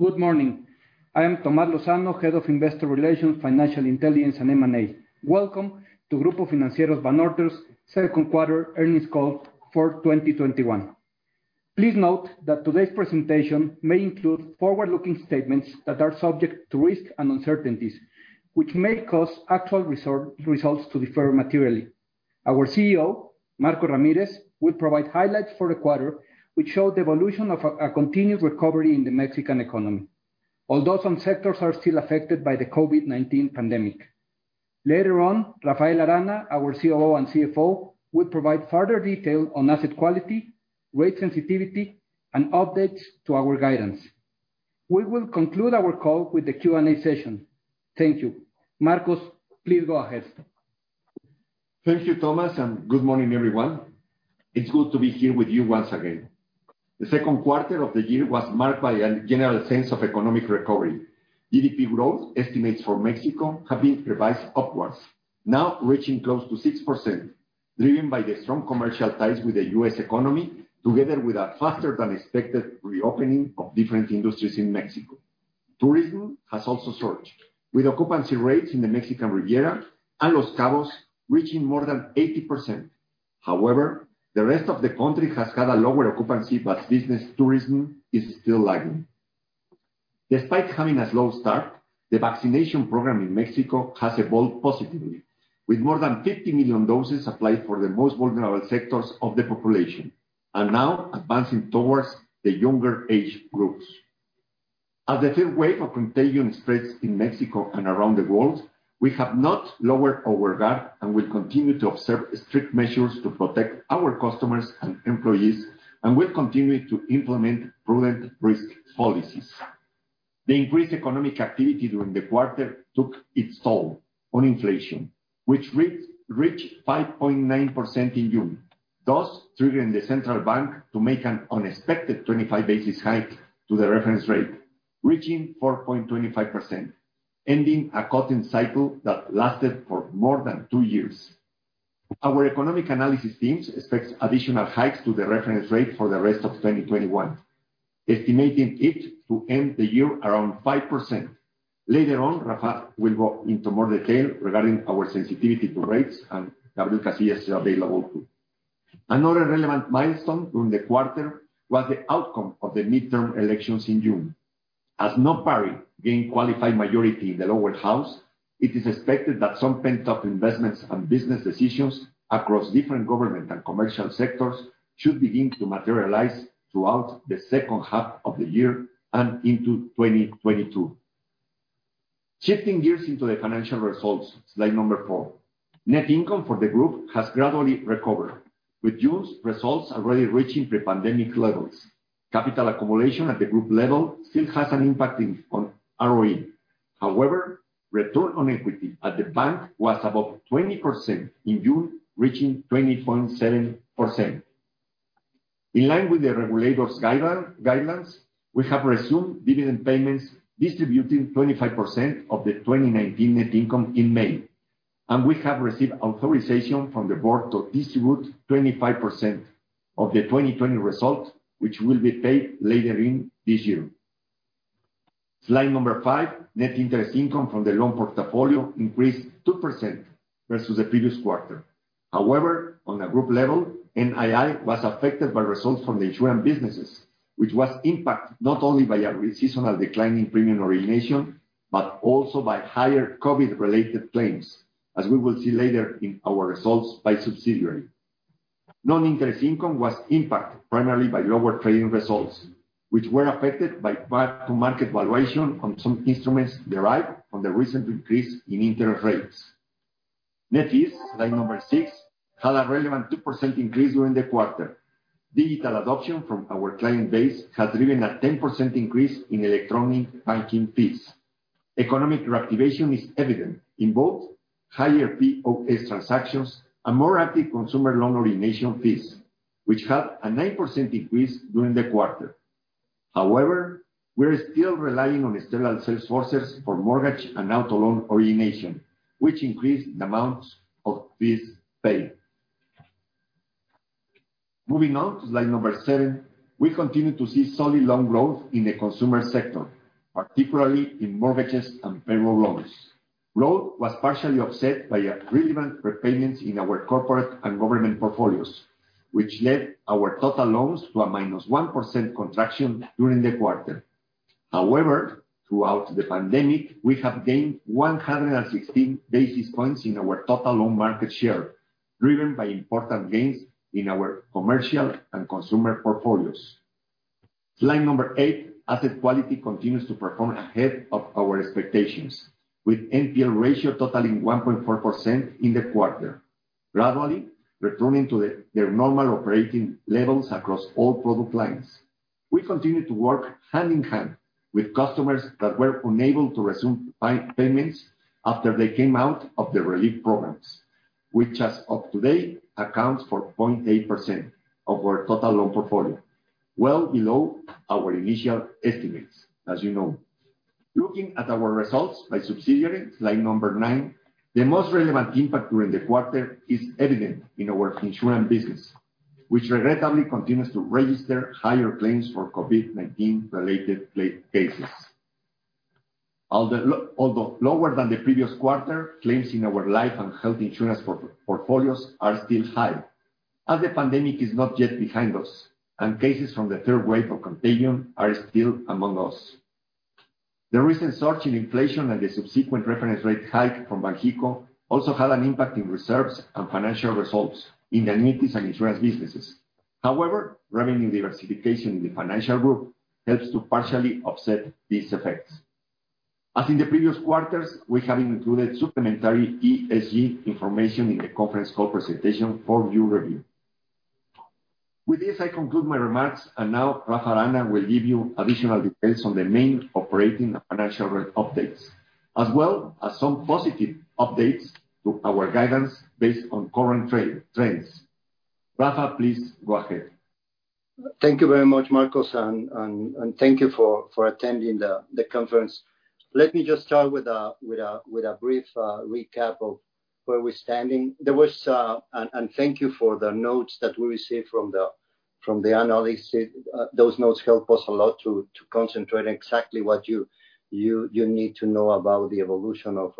Good morning. I am Tomás Lozano, Head of Investor Relations, Financial Intelligence and M&A. Welcome to Grupo Financiero Banorte's second quarter earnings call for 2021. Please note that today's presentation may include forward-looking statements that are subject to risks and uncertainties, which may cause actual results to differ materially. Our CEO, Marcos Ramírez, will provide highlights for the quarter, which show the evolution of a continued recovery in the Mexican economy. Although some sectors are still affected by the COVID-19 pandemic. Later on, Rafael Arana, our COO and CFO, will provide further detail on asset quality, rate sensitivity, and updates to our guidance. We will conclude our call with a Q&A session. Thank you. Marcos, please go ahead. Thank you, Tomás, and good morning, everyone. It's good to be here with you once again. The second quarter of the year was marked by a general sense of economic recovery. GDP growth estimates for Mexico have been revised upwards, now reaching close to 6%, driven by the strong commercial ties with the U.S. economy, together with a faster than expected reopening of different industries in Mexico. Tourism has also surged, with occupancy rates in the Mexican Riviera and Los Cabos reaching more than 80%. However, the rest of the country has had a lower occupancy, but business tourism is still lagging. Despite having a slow start, the vaccination program in Mexico has evolved positively with more than 50 million doses applied for the most vulnerable sectors of the population, and now advancing towards the younger age groups. As the third wave of contagion spreads in Mexico and around the world, we have not lowered our guard and will continue to observe strict measures to protect our customers and employees, and we are continuing to implement prudent risk policies. The increased economic activity during the quarter took its toll on inflation, which reached 5.9% in June, thus triggering the central bank to make an unexpected 25-basis hike to the reference rate, reaching 4.25%, ending a cutting cycle that lasted for more than two years. Our economic analysis teams expect additional hikes to the reference rate for the rest of 2021, estimating it to end the year around 5%. Later on, Rafael will go into more detail regarding our sensitivity to rates, and Gabriel Casillas is available too. Another relevant milestone during the quarter was the outcome of the midterm elections in June. As no party gained qualified majority in the lower house, it is expected that some pent-up investments and business decisions across different government and commercial sectors should begin to materialize throughout the second half of the year and into 2022. Shifting gears into the financial results. Slide number four. Net income for the group has gradually recovered, with June's results already reaching pre-pandemic levels. Capital accumulation at the group level still has an impact on ROE. However, return on equity at the bank was above 20% in June, reaching 20.7%. In line with the regulators guidelines, we have resumed dividend payments distributing 25% of the 2019 net income in May, and we have received authorization from the board to distribute 25% of the 2020 results, which will be paid later in this year. Slide number 5. Net interest income from the loan portfolio increased 2% versus the previous quarter. However, on a group level, NII was affected by results from the insurance businesses, which was impacted not only by a seasonal decline in premium origination, but also by higher COVID-related claims, as we will see later in our results by subsidiary. Non-interest income was impacted primarily by lower trading results, which were affected by mark-to-market valuation on some instruments derived from the recent increase in interest rates. Net fees, slide number six, had a relevant 2% increase during the quarter. Digital adoption from our client base has driven a 10% increase in electronic banking fees. Economic reactivation is evident in both higher POS transactions and more active consumer loan origination fees, which had a 9% increase during the quarter. However, we are still relying on external sales forces for mortgage and auto loan origination, which increased the amounts of fees paid. Moving on to slide number seven. We continue to see solid loan growth in the consumer sector, particularly in mortgages and payroll loans. Growth was partially offset by a relevant prepayments in our corporate and government portfolios, which led our total loans to a -1% contraction during the quarter. However, throughout the pandemic, we have gained 116 basis points in our total loan market share, driven by important gains in our commercial and consumer portfolios. Slide number eight. Asset quality continues to perform ahead of our expectations, with NPL ratio totaling 1.4% in the quarter, gradually returning to their normal operating levels across all product lines. We continue to work hand-in-hand with customers that were unable to resume payments after they came out of the relief programs, which as of today, accounts for 0.8% of our total loan portfolio, well below our initial estimates, as you know. Looking at our results by subsidiary, slide number 9, the most relevant impact during the quarter is evident in our insurance business, which regrettably continues to register higher claims for COVID-19-related cases. Although lower than the previous quarter, claims in our life and health insurance portfolios are still high, as the pandemic is not yet behind us and cases from the third wave of contagion are still among us. The recent surge in inflation and the subsequent reference rate hike from Banxico also had an impact in reserves and financial results in the entities and insurance businesses. However, revenue diversification in the financial group helps to partially offset these effects. As in the previous quarters, we have included supplementary ESG information in the conference call presentation for your review. With this, I conclude my remarks, and now Rafa Arana will give you additional details on the main operating and financial updates, as well as some positive updates to our guidance based on current trends. Rafa, please go ahead. Thank you very much, Marcos. Thank you for attending the conference. Let me just start with a brief recap of where we're standing. Thank you for the notes that we received from the analysts. Those notes help us a lot to concentrate exactly what you need to know about the evolution of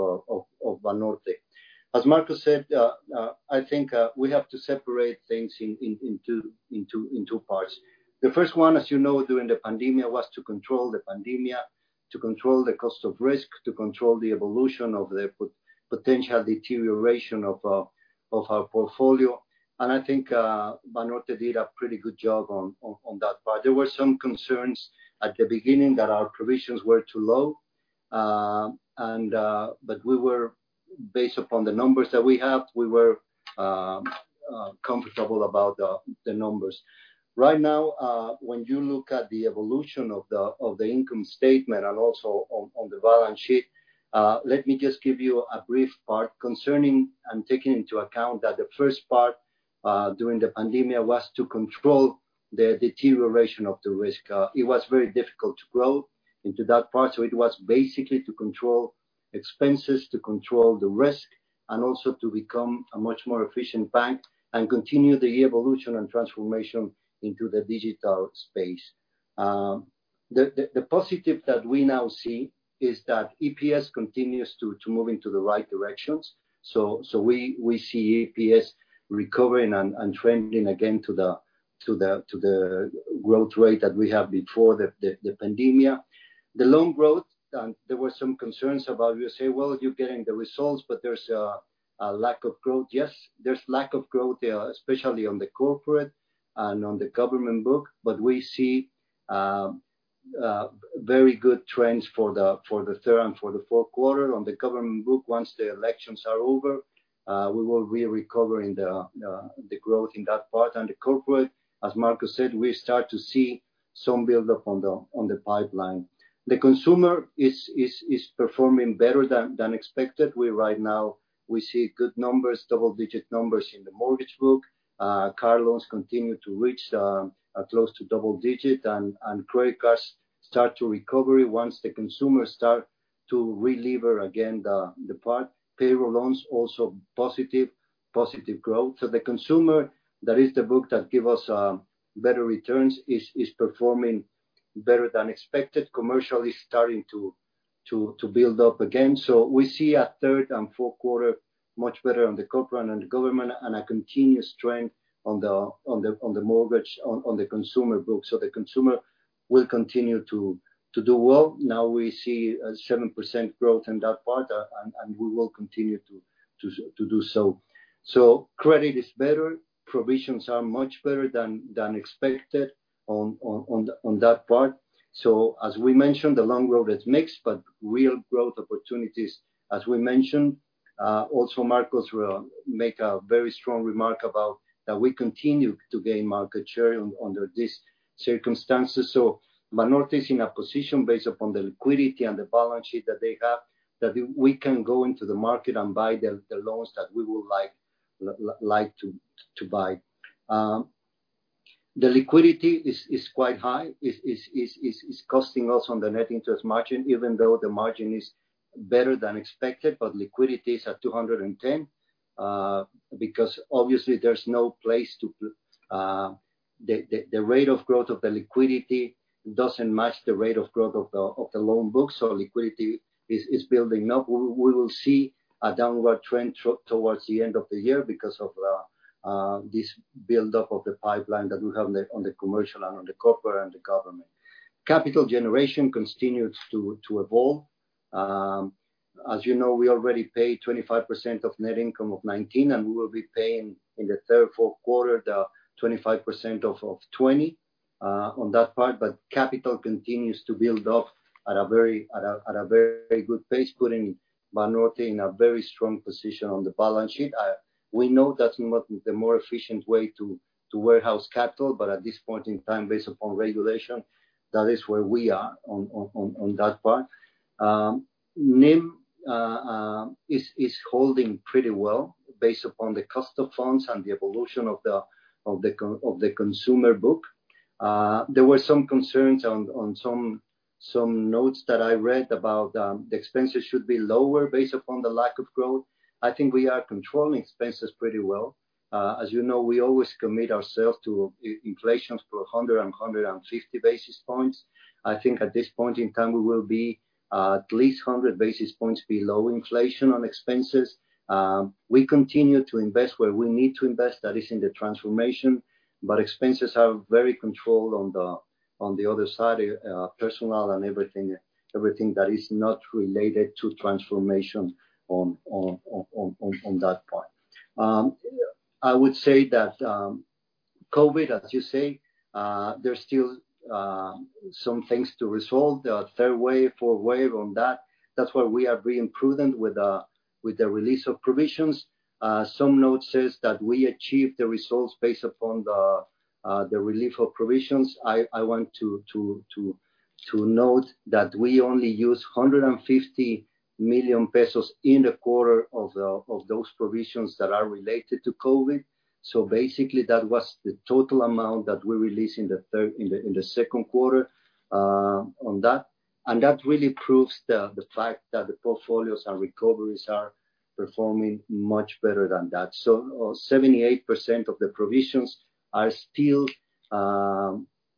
Banorte. As Marcos said, I think we have to separate things into parts. The first one, as you know, during the pandemic, was to control the pandemic, to control the cost of risk, to control the evolution of the potential deterioration of our portfolio. I think Banorte did a pretty good job on that part. There were some concerns at the beginning that our provisions were too low, but based upon the numbers that we have, we were comfortable about the numbers. When you look at the evolution of the income statement and also on the balance sheet, let me just give you a brief part concerning and taking into account that the first part, during the pandemia, was to control the deterioration of the risk. It was very difficult to grow into that part. It was basically to control expenses, to control the risk, and also to become a much more efficient bank and continue the evolution and transformation into the digital space. The positive that we now see is that EPS continues to move into the right directions. We see EPS recovering and trending again to the growth rate that we had before the pandemia. The loan growth, and there were some concerns about, you say, well, you're getting the results, but there's a lack of growth. There's lack of growth there, especially on the corporate and on the government book. We see very good trends for the third and for the fourth quarter. On the government book, once the elections are over, we will be recovering the growth in that part. The corporate, as Marcos said, we start to see some buildup on the pipeline. The consumer is performing better than expected. Right now, we see good numbers, double-digit numbers in the mortgage book. Car loans continue to reach close to double digit. Credit cards start to recover once the consumer start to relever again the part. Payroll loans also positive growth. The consumer, that is the book that give us better returns, is performing better than expected. Commercial is starting to build up again. We see a third and fourth quarter much better on the corporate and on the government, and a continuous trend on the mortgage, on the consumer book. The consumer will continue to do well. Now we see a 7% growth in that part, and we will continue to do so. Credit is better. Provisions are much better than expected on that part. As we mentioned, the loan growth is mixed, but real growth opportunities, as we mentioned. Also, Marcos will make a very strong remark about that we continue to gain market share under these circumstances. Banorte is in a position based upon the liquidity and the balance sheet that they have, that we can go into the market and buy the loans that we would like to buy. The liquidity is quite high. It's costing us on the net interest margin, even though the margin is better than expected, but liquidity is at 210, because obviously there's no place. The rate of growth of the liquidity doesn't match the rate of growth of the loan book, so liquidity is building up. We will see a downward trend towards the end of the year because of this buildup of the pipeline that we have on the commercial and on the corporate and the government. Capital generation continues to evolve. As you know, we already paid 25% of net income of 2019, and we will be paying in the third, fourth quarter the 25% of 2020 on that part. Capital continues to build up at a very good pace, putting Banorte in a very strong position on the balance sheet. We know that's not the more efficient way to warehouse capital, but at this point in time, based upon regulation, that is where we are on that part. NIM is holding pretty well based upon the cost of funds and the evolution of the consumer book. There were some concerns on some notes that I read about the expenses should be lower based upon the lack of growth. I think we are controlling expenses pretty well. As you know, we always commit ourselves to inflation for 100 and 150 basis points. I think at this point in time, we will be at least 100 basis points below inflation on expenses. We continue to invest where we need to invest, that is in the transformation, but expenses are very controlled on the other side, personal and everything that is not related to transformation on that part. I would say that COVID, as you say, there's still some things to resolve. The third wave, fourth wave on that's why we are being prudent with the release of provisions. Some notes says that we achieved the results based upon the relief of provisions. I want to note that we only use 150 million pesos in the quarter of those provisions that are related to COVID. Basically, that was the total amount that we released in the second quarter on that. That really proves the fact that the portfolios and recoveries are performing much better than that. 78% of the provisions are still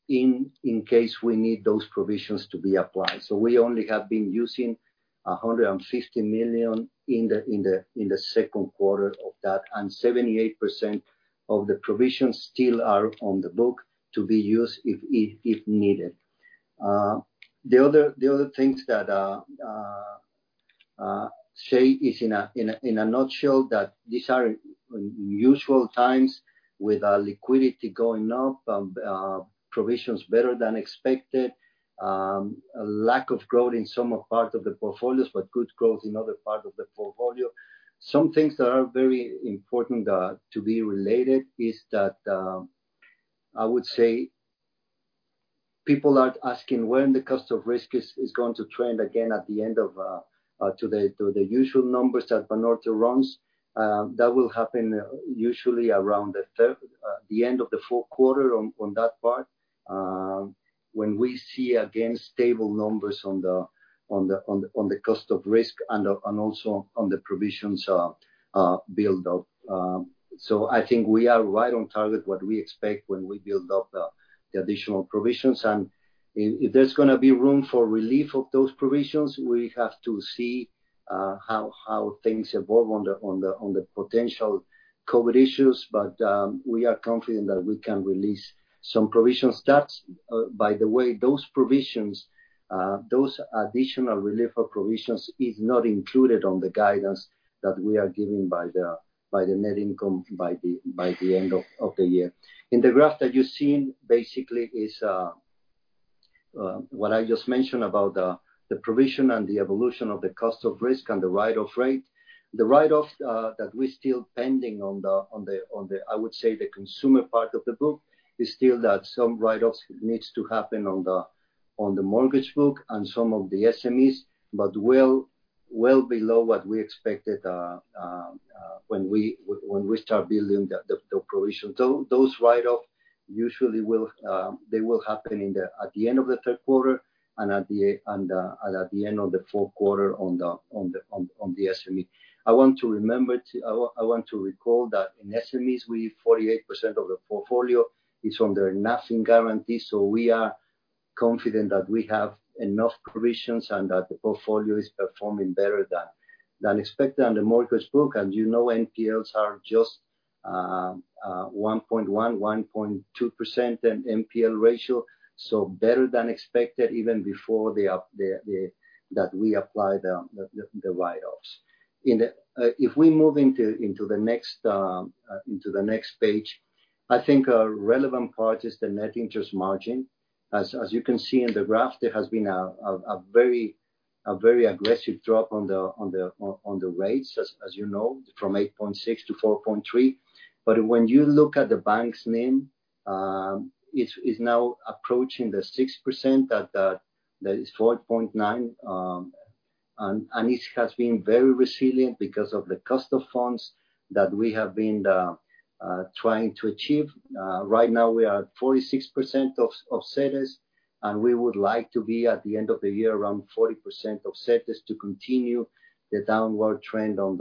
in case we need those provisions to be applied. We only have been using 150 million in the second quarter of that, and 78% of the provisions still are on the book to be used if needed. The other things that Hey is in a nutshell, these are unusual times with our liquidity going up, provisions better than expected, lack of growth in some part of the portfolios, good growth in other part of the portfolio. Some things that are very important to be related is that, I would say people are asking when the cost of risk is going to trend again to the usual numbers that Banorte runs. That will happen usually around the end of the fourth quarter on that part. When we see again stable numbers on the cost of risk and also on the provisions build-up. I think we are right on target what we expect when we build up the additional provisions. If there's gonna be room for relief of those provisions, we have to see how things evolve on the potential COVID issues, but we are confident that we can release some provisions. That, by the way, those provisions, those additional relief of provisions is not included on the guidance that we are giving by the net income by the end of the year. In the graph that you're seeing, basically is what I just mentioned about the provision and the evolution of the cost of risk and the write-off rate. The write-off that we're still pending on the, I would say the consumer part of the book, is still that some write-offs needs to happen on the mortgage book and some of the SMEs, but well below what we expected when we start building the provision. Those write-offs, usually they will happen at the end of the third quarter and at the end of the fourth quarter on the SME. I want to recall that in SMEs, 48% of the portfolio is under Nafin guarantee. We are confident that we have enough provisions and that the portfolio is performing better than expected on the mortgage book. You know NPLs are just 1.1%-1.2% in NPL ratio, better than expected even before that we apply the write-offs. If we move into the next page, I think a relevant part is the net interest margin. As you can see in the graph, there has been a very aggressive drop on the rates, as you know, from 8.6% to 4.3%. When you look at the bank's NIM, it's now approaching the 6%, that is 4.9%. It has been very resilient because of the cost of funds that we have been trying to achieve. Right now, we are at 46% of CEDES, and we would like to be at the end of the year around 40% of CEDES to continue the downward trend on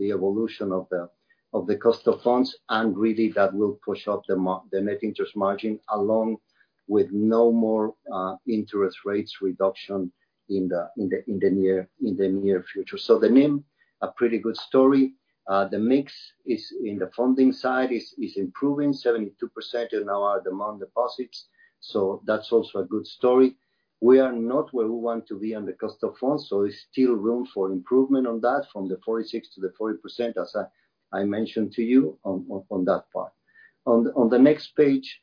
the evolution of the cost of funds. Really that will push up the net interest margin along with no more interest rates reduction in the near future. The NIM, a pretty good story. The mix in the funding side is improving, 72% now are demand deposits, so that's also a good story. We are not where we want to be on the cost of funds, it's still room for improvement on that from the 46% to the 40%, as I mentioned to you on that part. On the next page,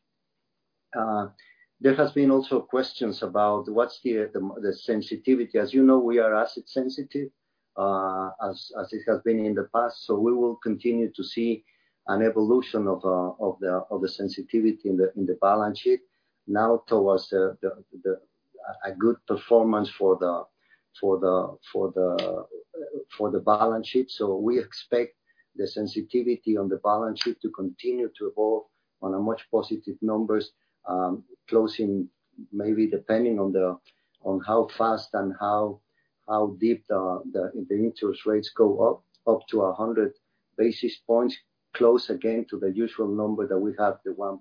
there has been also questions about what's the sensitivity. As you know, we are asset sensitive. As it has been in the past, we will continue to see an evolution of the sensitivity in the balance sheet now towards a good performance for the balance sheet. We expect the sensitivity on the balance sheet to continue to evolve on a much positive numbers, closing maybe depending on how fast and how deep the interest rates go up to 100 basis points. Close again to the usual number that we have, the 1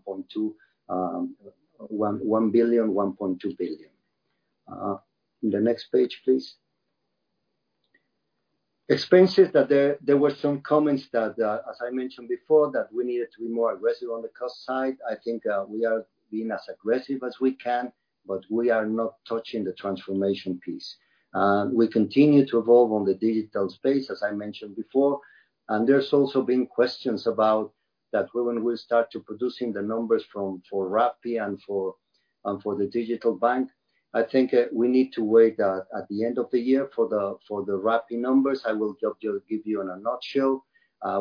billion, 1.2 billion. The next page, please. Expenses, there were some comments that, as I mentioned before, that we needed to be more aggressive on the cost side. I think we are being as aggressive as we can, but we are not touching the transformation piece. We continue to evolve on the digital space, as I mentioned before, and there's also been questions about that when we start to producing the numbers for Rappi and for the digital bank. I think we need to wait at the end of the year for the Rappi numbers. I will just give you in a nutshell.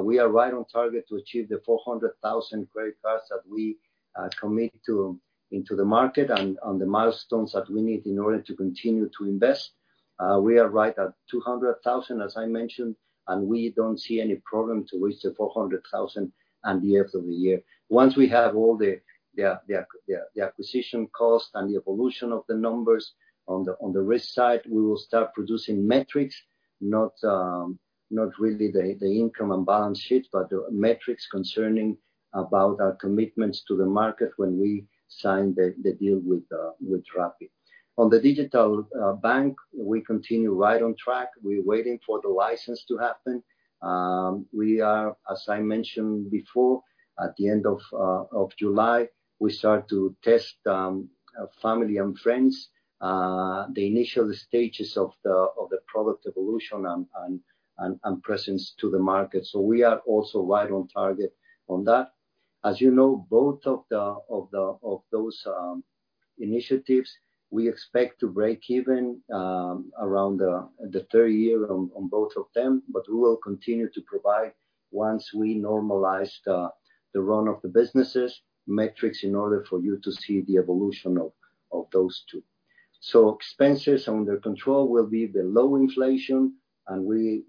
We are right on target to achieve the 400,000 credit cards that we commit into the market, and on the milestones that we need in order to continue to invest. We are right at 200,000, as I mentioned, and we don't see any problem to reach the 400,000 at the end of the year. Once we have all the acquisition cost and the evolution of the numbers on the risk side, we will start producing metrics. Not really the income and balance sheets, but the metrics concerning about our commitments to the market when we sign the deal with Rappi. On the digital bank, we continue right on track. We're waiting for the license to happen. We are, as I mentioned before, at the end of July, we start to test family and friends, the initial stages of the product evolution and presence to the market. We are also right on target on that. As you know, both of those initiatives, we expect to break even around the third year on both of them. We will continue to provide, once we normalize the run of the businesses, metrics in order for you to see the evolution of those two. Expenses under control will be the low inflation, and when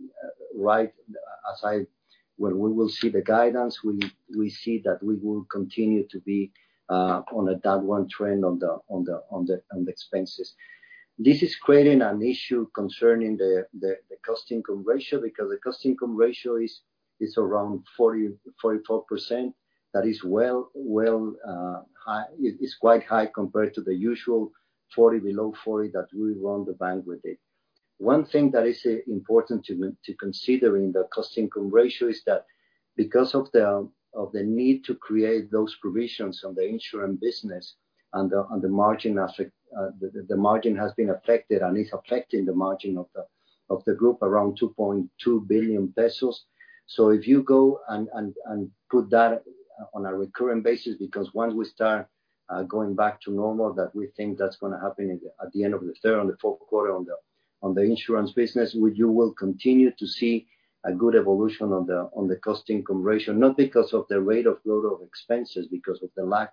we will see the guidance, we see that we will continue to be on a down one trend on the expenses. This is creating an issue concerning the cost-income ratio, because the cost-income ratio is around 44%. That is quite high compared to the usual 40, below 40 that we run the bank with it. One thing that is important to consider in the cost-income ratio is that because of the need to create those provisions on the insurance business and the margin has been affected and is affecting the margin of the group around 2.2 billion pesos. If you go and put that on a recurring basis, because once we start going back to normal, that we think that's going to happen at the end of the third or the fourth quarter on the insurance business. You will continue to see a good evolution on the cost-income ratio, not because of the rate of growth of expenses, because of the lack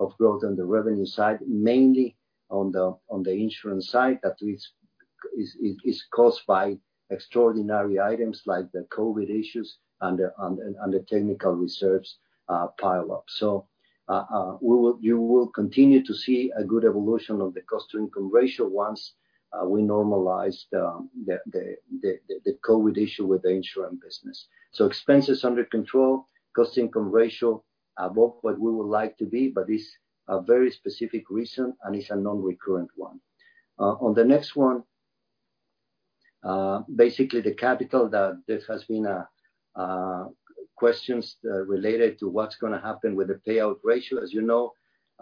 of growth on the revenue side, mainly on the insurance side, that is caused by extraordinary items like the COVID issues and the technical reserves pile up. You will continue to see a good evolution of the cost-income ratio once we normalize the COVID issue with the insurance business. Expenses under control, cost-income ratio above what we would like to be, but it's a very specific reason, and it's a non-recurrent one. On the next one, basically the capital that there has been questions related to what's going to happen with the payout ratio. As you know,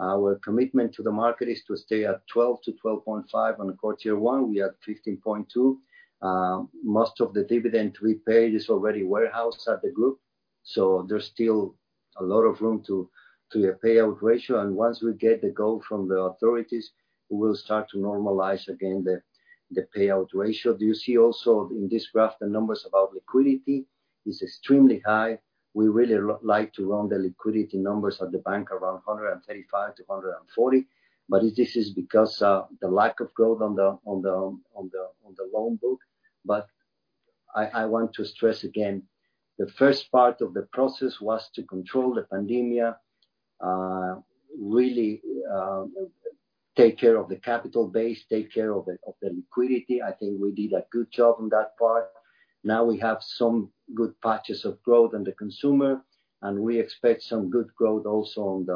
our commitment to the market is to stay at 12%-12.5%. On the quarter one, we are at 15.2%. Most of the dividend we paid is already warehoused at the group. There's still a lot of room to a payout ratio, and once we get the go from the authorities, we will start to normalize again the payout ratio. Do you see also in this graph, the numbers about liquidity is extremely high. We really like to run the liquidity numbers at the bank around 135-140. This is because the lack of growth on the loan book. I want to stress again, the first part of the process was to control the pandemic. Really take care of the capital base, take care of the liquidity. I think we did a good job on that part. Now we have some good patches of growth in the consumer, and we expect some good growth also on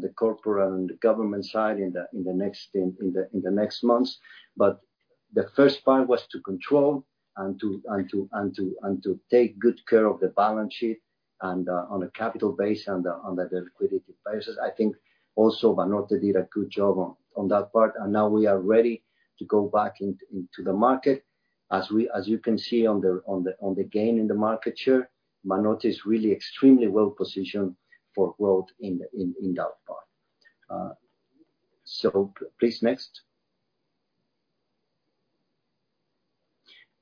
the corporate and government side in the next months. The first part was to control and to take good care of the balance sheet and on a capital base and on the liquidity basis. I think also Banorte did a good job on that part, and now we are ready to go back into the market. As you can see on the gain in the market share, Banorte is really extremely well-positioned for growth in that part. Please next.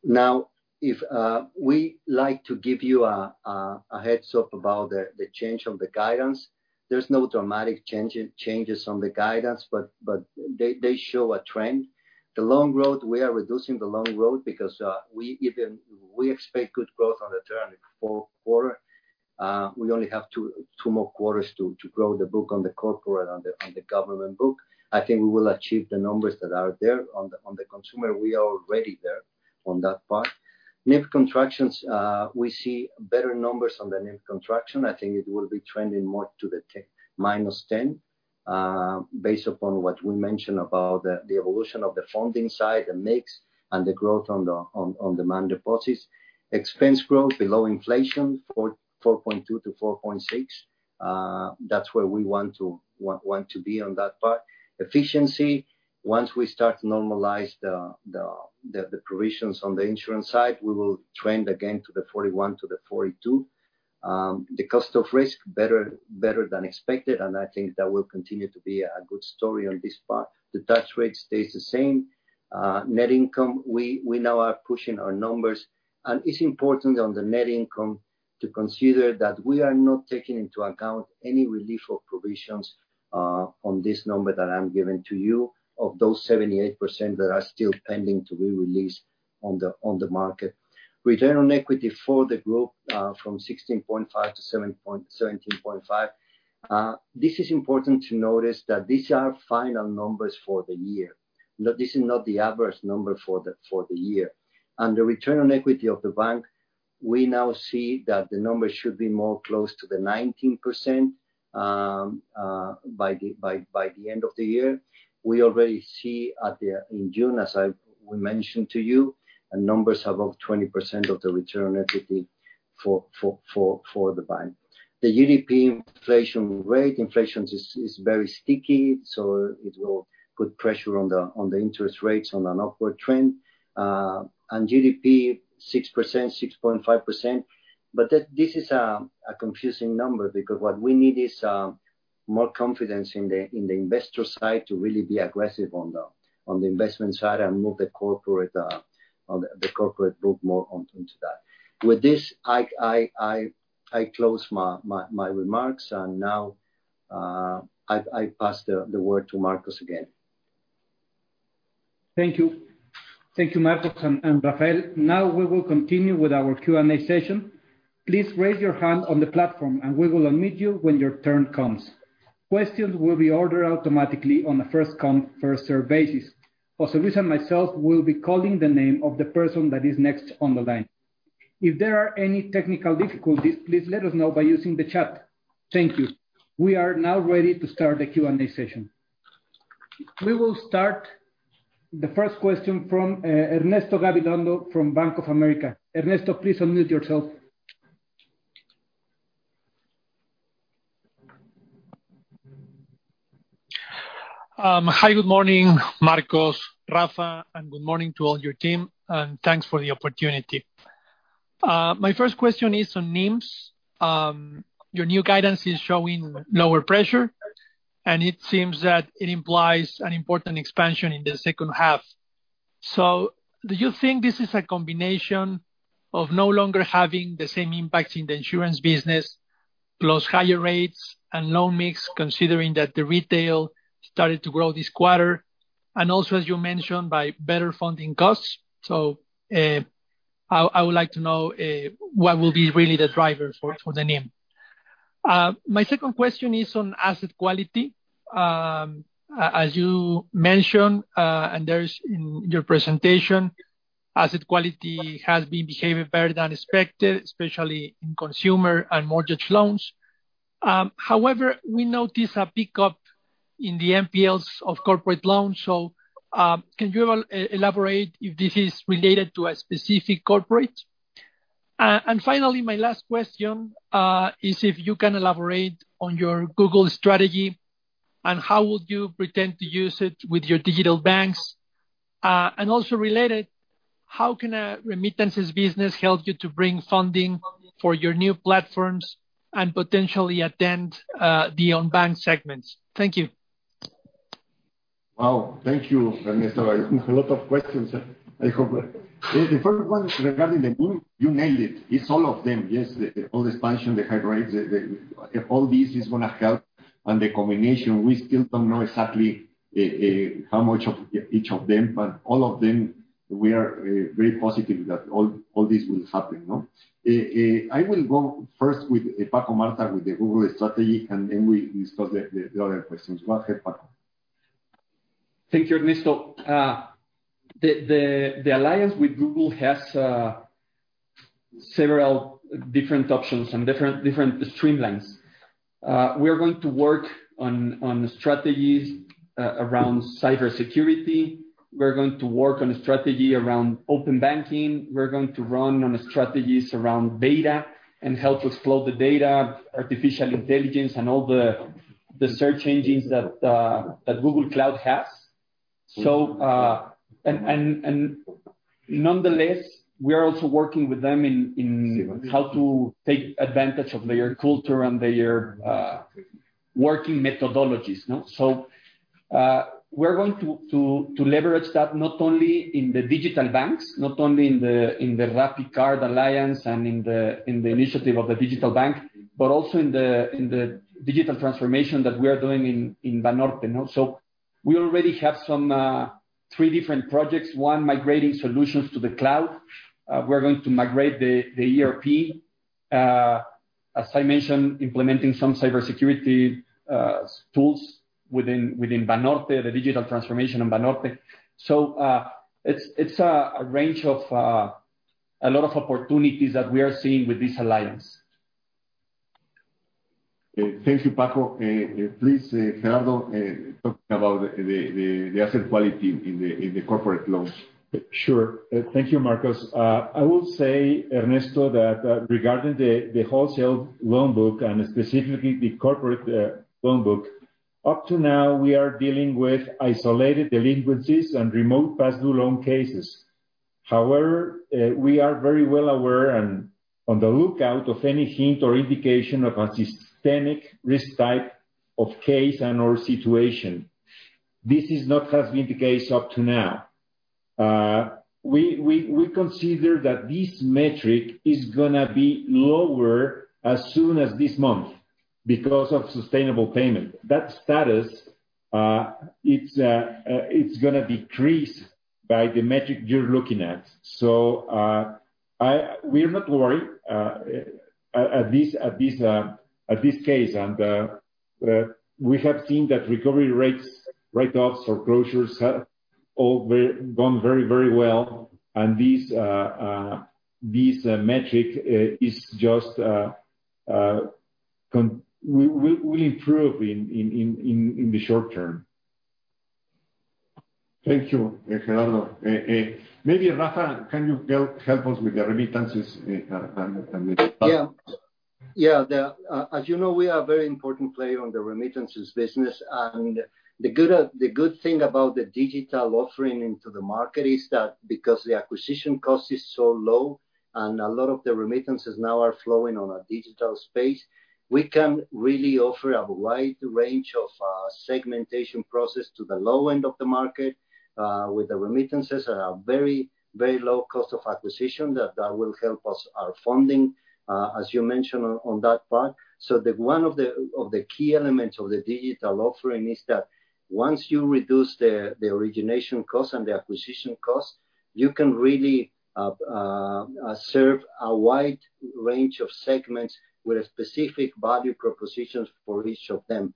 Now, we like to give you a heads-up about the change on the guidance. There's no dramatic changes on the guidance, but they show a trend. The loan growth, we are reducing the loan growth because we expect good growth on the term in Q4. We only have two more quarters to grow the book on the corporate, on the government book. I think we will achieve the numbers that are there. On the consumer, we are already there on that part. NIM contractions, we see better numbers on the NIM contraction. I think it will be trending more to the -10%, based upon what we mentioned about the evolution of the funding side, the mix, and the growth on the demand deposits. Expense growth below inflation, 4.2%-4.6%. That's where we want to be on that part. Efficiency, once we start to normalize the provisions on the insurance side, we will trend again to the 41%-42%. The cost of risk, better than expected, and I think that will continue to be a good story on this part. The tax rate stays the same. Net income, we now are pushing our numbers. It's important on the net income to consider that we are not taking into account any relief of provisions on this number that I'm giving to you, of those 78% that are still pending to be released on the market. Return on equity for the group, from 16.5%-17.5%. This is important to notice that these are final numbers for the year. This is not the adverse number for the year. The return on equity of the bank, we now see that the number should be more close to the 19% by the end of the year. We already see in June, as we mentioned to you, numbers above 20% of the return on equity for the bank. The GDP inflation rate, inflation is very sticky, so it will put pressure on the interest rates on an upward trend. GDP 6%, 6.5%. This is a confusing number because what we need is more confidence in the investor side to really be aggressive on the investment side and move the corporate book more into that. With this, I close my remarks. Now, I pass the word to Marcos again. Thank you. Thank you, Marcos and Rafael. We will continue with our Q&A session. Please raise your hand on the platform and we will admit you when your turn comes. Questions will be ordered automatically on a first come, first serve basis. José Luis and myself will be calling the name of the person that is next on the line. If there are any technical difficulties, please let us know by using the chat. Thank you. We are now ready to start the Q&A session. We will start the first question from Ernesto Gabilondo from Bank of America. Ernesto, please unmute yourself. Hi, good morning, Marcos, Rafa, and good morning to all your team, and thanks for the opportunity. My first question is on NIMs. Your new guidance is showing lower pressure, and it seems that it implies an important expansion in the second half. Do you think this is a combination of no longer having the same impact in the insurance business, plus higher rates and low mix, considering that the retail started to grow this quarter? Also, as you mentioned, by better funding costs. I would like to know what will be really the driver for the NIM. My second question is on asset quality. As you mentioned, and there is in your presentation, asset quality has been behaving better than expected, especially in consumer and mortgage loans. However, we notice a pickup in the NPLs of corporate loans. Can you elaborate if this is related to a specific corporate? Finally, my last question is if you can elaborate on your Google strategy, and how would you pretend to use it with your digital banks? Also related, how can a remittances business help you to bring funding for your new platforms and potentially attend the unbanked segments? Thank you. Wow. Thank you, Ernesto. A lot of questions. The first one regarding the NIM, you nailed it. It's all of them. Yes, all the expansion, the high rates, all this is going to help. The combination, we still don't know exactly how much of each of them, but all of them, we are very positive that all this will happen. I will go first with Paco Marta with the Google strategy, and then we discuss the other questions. Go ahead, Paco. Thank you, Ernesto. The alliance with Google has several different options and different streamlines. We are going to work on strategies around cybersecurity. We're going to work on a strategy around open banking. We're going to run on strategies around data and help explore the data, artificial intelligence, and all the search engines that Google Cloud has. Nonetheless, we are also working with them in how to take advantage of their culture and their working methodologies. We're going to leverage that not only in the digital banks, not only in the RappiCard alliance and in the initiative of the digital bank, but also in the digital transformation that we are doing in Banorte. We already have three different projects, one migrating solutions to the cloud. We're going to migrate the ERP. As I mentioned, implementing some cybersecurity tools within Banorte, the digital transformation in Banorte. It's a range of a lot of opportunities that we are seeing with this alliance. Thank you, Paco. Please, Gerardo, talk about the asset quality in the corporate loans. Sure. Thank you, Marcos. I will say, Ernesto, that regarding the wholesale loan book and specifically the corporate loan book, up to now, we are dealing with isolated delinquencies and remote past due loan cases. We are very well aware and on the lookout of any hint or indication of a systemic risk type of case and/or situation. This has not been the case up to now. We consider that this metric is going to be lower as soon as this month because of sustainable payment. That status, it's going to decrease by the metric you're looking at. We are not worried at this case, and we have seen that recovery rates, write-offs, or closures have all gone very well, and this metric will improve in the short term. Thank you, Gerardo. Maybe Rafa, can you help us with the remittances and the-. Yeah. As you know, we are a very important player on the remittances business. The good thing about the digital offering into the market is that because the acquisition cost is so low and a lot of the remittances now are flowing on a digital space, we can really offer a wide range of segmentation process to the low end of the market with the remittances at a very low cost of acquisition that will help us, our funding, as you mentioned on that part. One of the key elements of the digital offering is that once you reduce the origination cost and the acquisition cost, you can really serve a wide range of segments with a specific value proposition for each of them.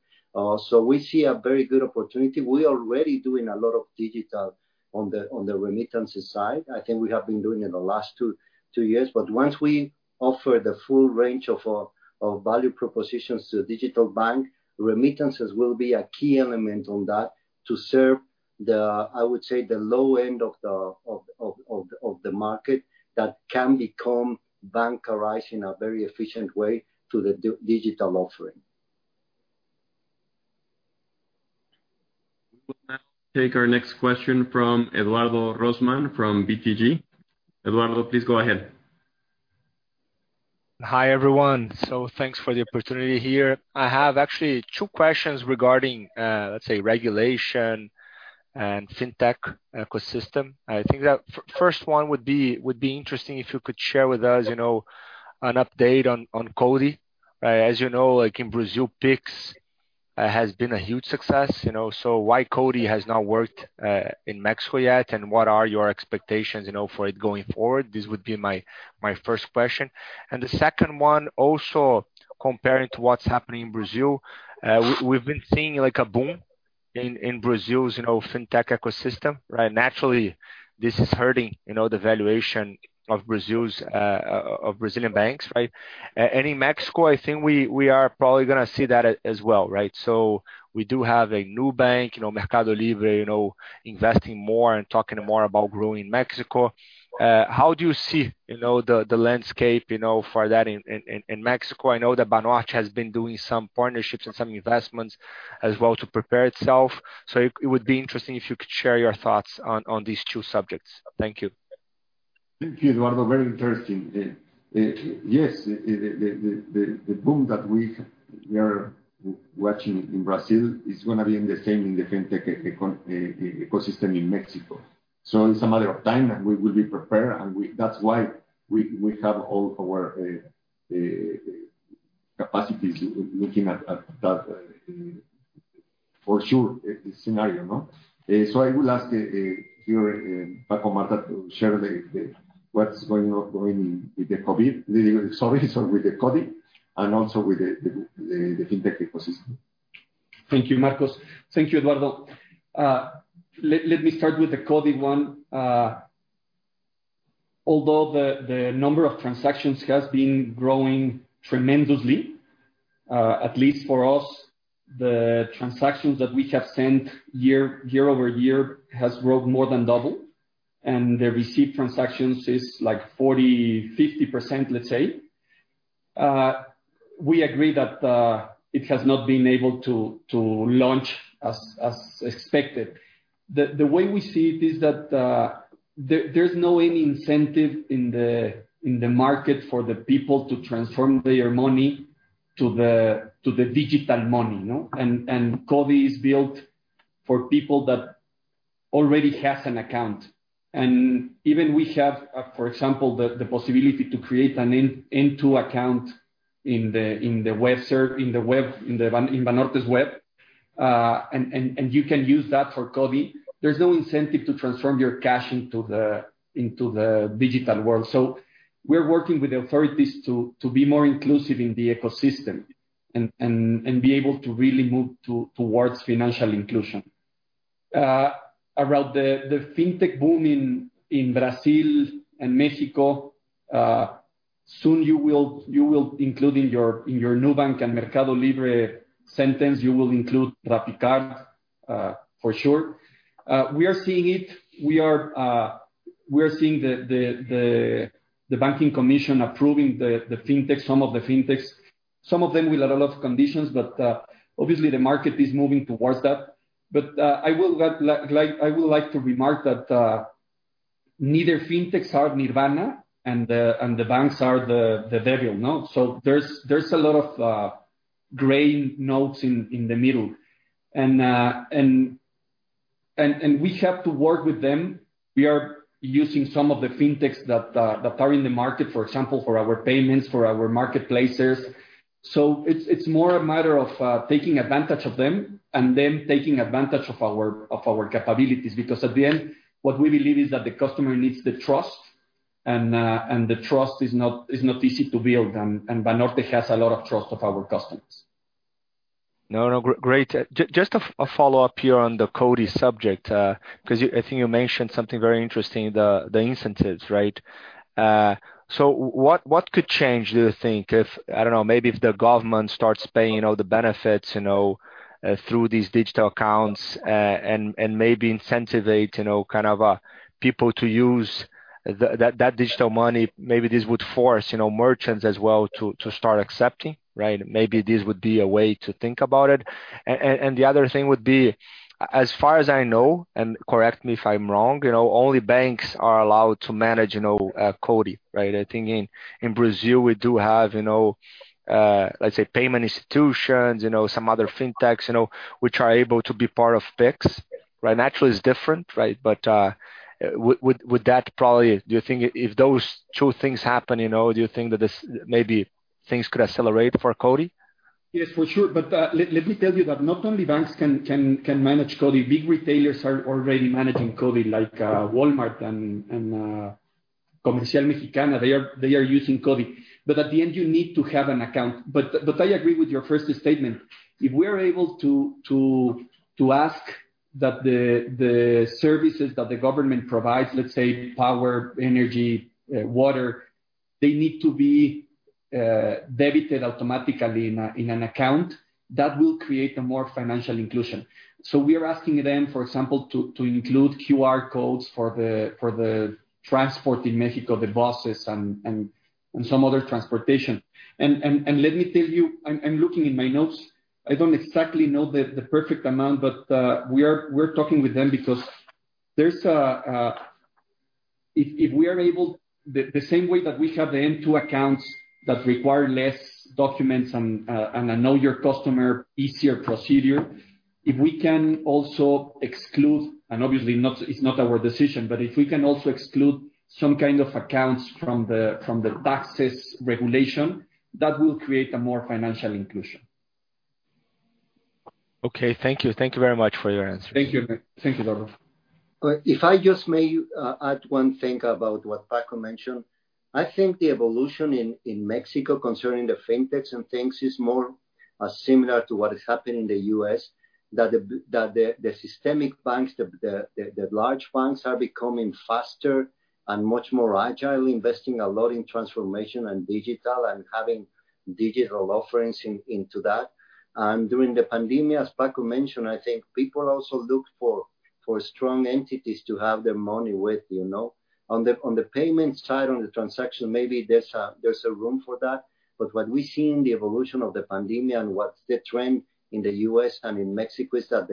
We see a very good opportunity. We are already doing a lot of digital on the remittances side. I think we have been doing it the last two years. Once we offer the full range of value propositions to the digital bank, remittances will be a key element on that to serve the, I would say, the low end of the market that can become bancarized in a very efficient way through the digital offering. We will now take our next question from Eduardo Rosman, from BTG. Eduardo, please go ahead. Hi, everyone. Thanks for the opportunity here. I have actually two questions regarding, let's say, regulation and fintech ecosystem. I think that first one would be interesting if you could share with us an update on CoDi. As you know, in Brazil, Pix has been a huge success. Why CoDi has not worked in Mexico yet, and what are your expectations for it going forward? This would be my first question. The second one, also comparing to what's happening in Brazil, we've been seeing a boom in Brazil's fintech ecosystem. Naturally, this is hurting the valuation of Brazilian banks. In Mexico, I think we are probably going to see that as well. We do have a new bank, Mercado Libre, investing more and talking more about growing Mexico. How do you see the landscape for that in Mexico? I know that Banorte has been doing some partnerships and some investments as well to prepare itself. It would be interesting if you could share your thoughts on these two subjects. Thank you. Thank you, Eduardo. Very interesting. Yes, the boom that we are watching in Brazil is going to be in the same in the fintech ecosystem in Mexico. It's a matter of time, and we will be prepared, and that's why we have all our capacities looking at that, for sure, scenario. I will ask here Paco Martha to share what's going on with the CoDi and also with the fintech ecosystem. Thank you, Marcos. Thank you, Eduardo. Let me start with the CoDi one. Although the number of transactions has been growing tremendously, at least for us, the transactions that we have sent year-over-year has grown more than double. The received transactions is like 40%-50%, let's say. We agree that it has not been able to launch as expected. The way we see it is that there's no incentive in the market for the people to transform their money to the digital money. CoDi is built for people that already have an account. Even we have, for example, the possibility to create a Nivel two account in Banorte's web, and you can use that for CoDi. There's no incentive to transform your cash into the digital world. We're working with the authorities to be more inclusive in the ecosystem and be able to really move towards financial inclusion. Around the fintech boom in Brazil and Mexico, soon you will include in your Nubank and Mercado Libre sentence, you will include RappiCard, for sure. We are seeing it. We are seeing the banking commission approving the fintech, some of the fintechs. Some of them with a lot of conditions, but obviously the market is moving towards that. I would like to remark that neither fintechs are nirvana and the banks are the devil. There's a lot of gray notes in the middle. We have to work with them. We are using some of the fintechs that are in the market, for example, for our payments, for our marketplaces. It's more a matter of taking advantage of them and them taking advantage of our capabilities. At the end, what we believe is that the customer needs the trust, and the trust is not easy to build, and Banorte has a lot of trust of our customers. No, great. Just a follow-up here on the CoDi subject, because I think you mentioned something very interesting, the incentives, right? What could change, do you think, if, I don't know, maybe if the government starts paying all the benefits through these digital accounts, and maybe incentivize people to use that digital money, maybe this would force merchants as well to start accepting, right? Maybe this would be a way to think about it. The other thing would be, as far as I know, and correct me if I'm wrong, only banks are allowed to manage CoDi, right? I think in Brazil, we do have, let's say, payment institutions, some other fintechs, which are able to be part of Pix. Naturally, it's different. Do you think if those two things happen, do you think that this maybe things could accelerate for CoDi? Yes, for sure. Let me tell you that not only banks can manage CoDi, big retailers are already managing CoDi, like Walmart and Comercial Mexicana, they are using CoDi. At the end, you need to have an account. I agree with your first statement. If we're able to ask that the services that the government provides, let's say power, energy, water, they need to be debited automatically in an account, that will create a more financial inclusion. We are asking them, for example, to include QR codes for the transport in Mexico, the buses and some other transportation. Let me tell you, I'm looking in my notes. I don't exactly know the perfect amount, but we're talking with them because the same way that we have the Nivel 2 accounts that require less documents and a know your customer easier procedure, if we can also exclude, and obviously it's not our decision, but if we can also exclude some kind of accounts from the taxes regulation, that will create a more financial inclusion. Okay. Thank you. Thank you very much for your answers. Thank you. Thank you, Eduardo. If I just may add one thing about what Paco mentioned. I think the evolution in Mexico concerning the fintechs and things is more similar to what is happening in the U.S., that the systemic banks, the large banks are becoming faster and much more agile, investing a lot in transformation and digital and having digital offerings into that. During the pandemic, as Paco mentioned, I think people also look for strong entities to have their money with. On the payment side, on the transaction, maybe there's a room for that. What we see in the evolution of the pandemic and what the trend in the U.S. and in Mexico is that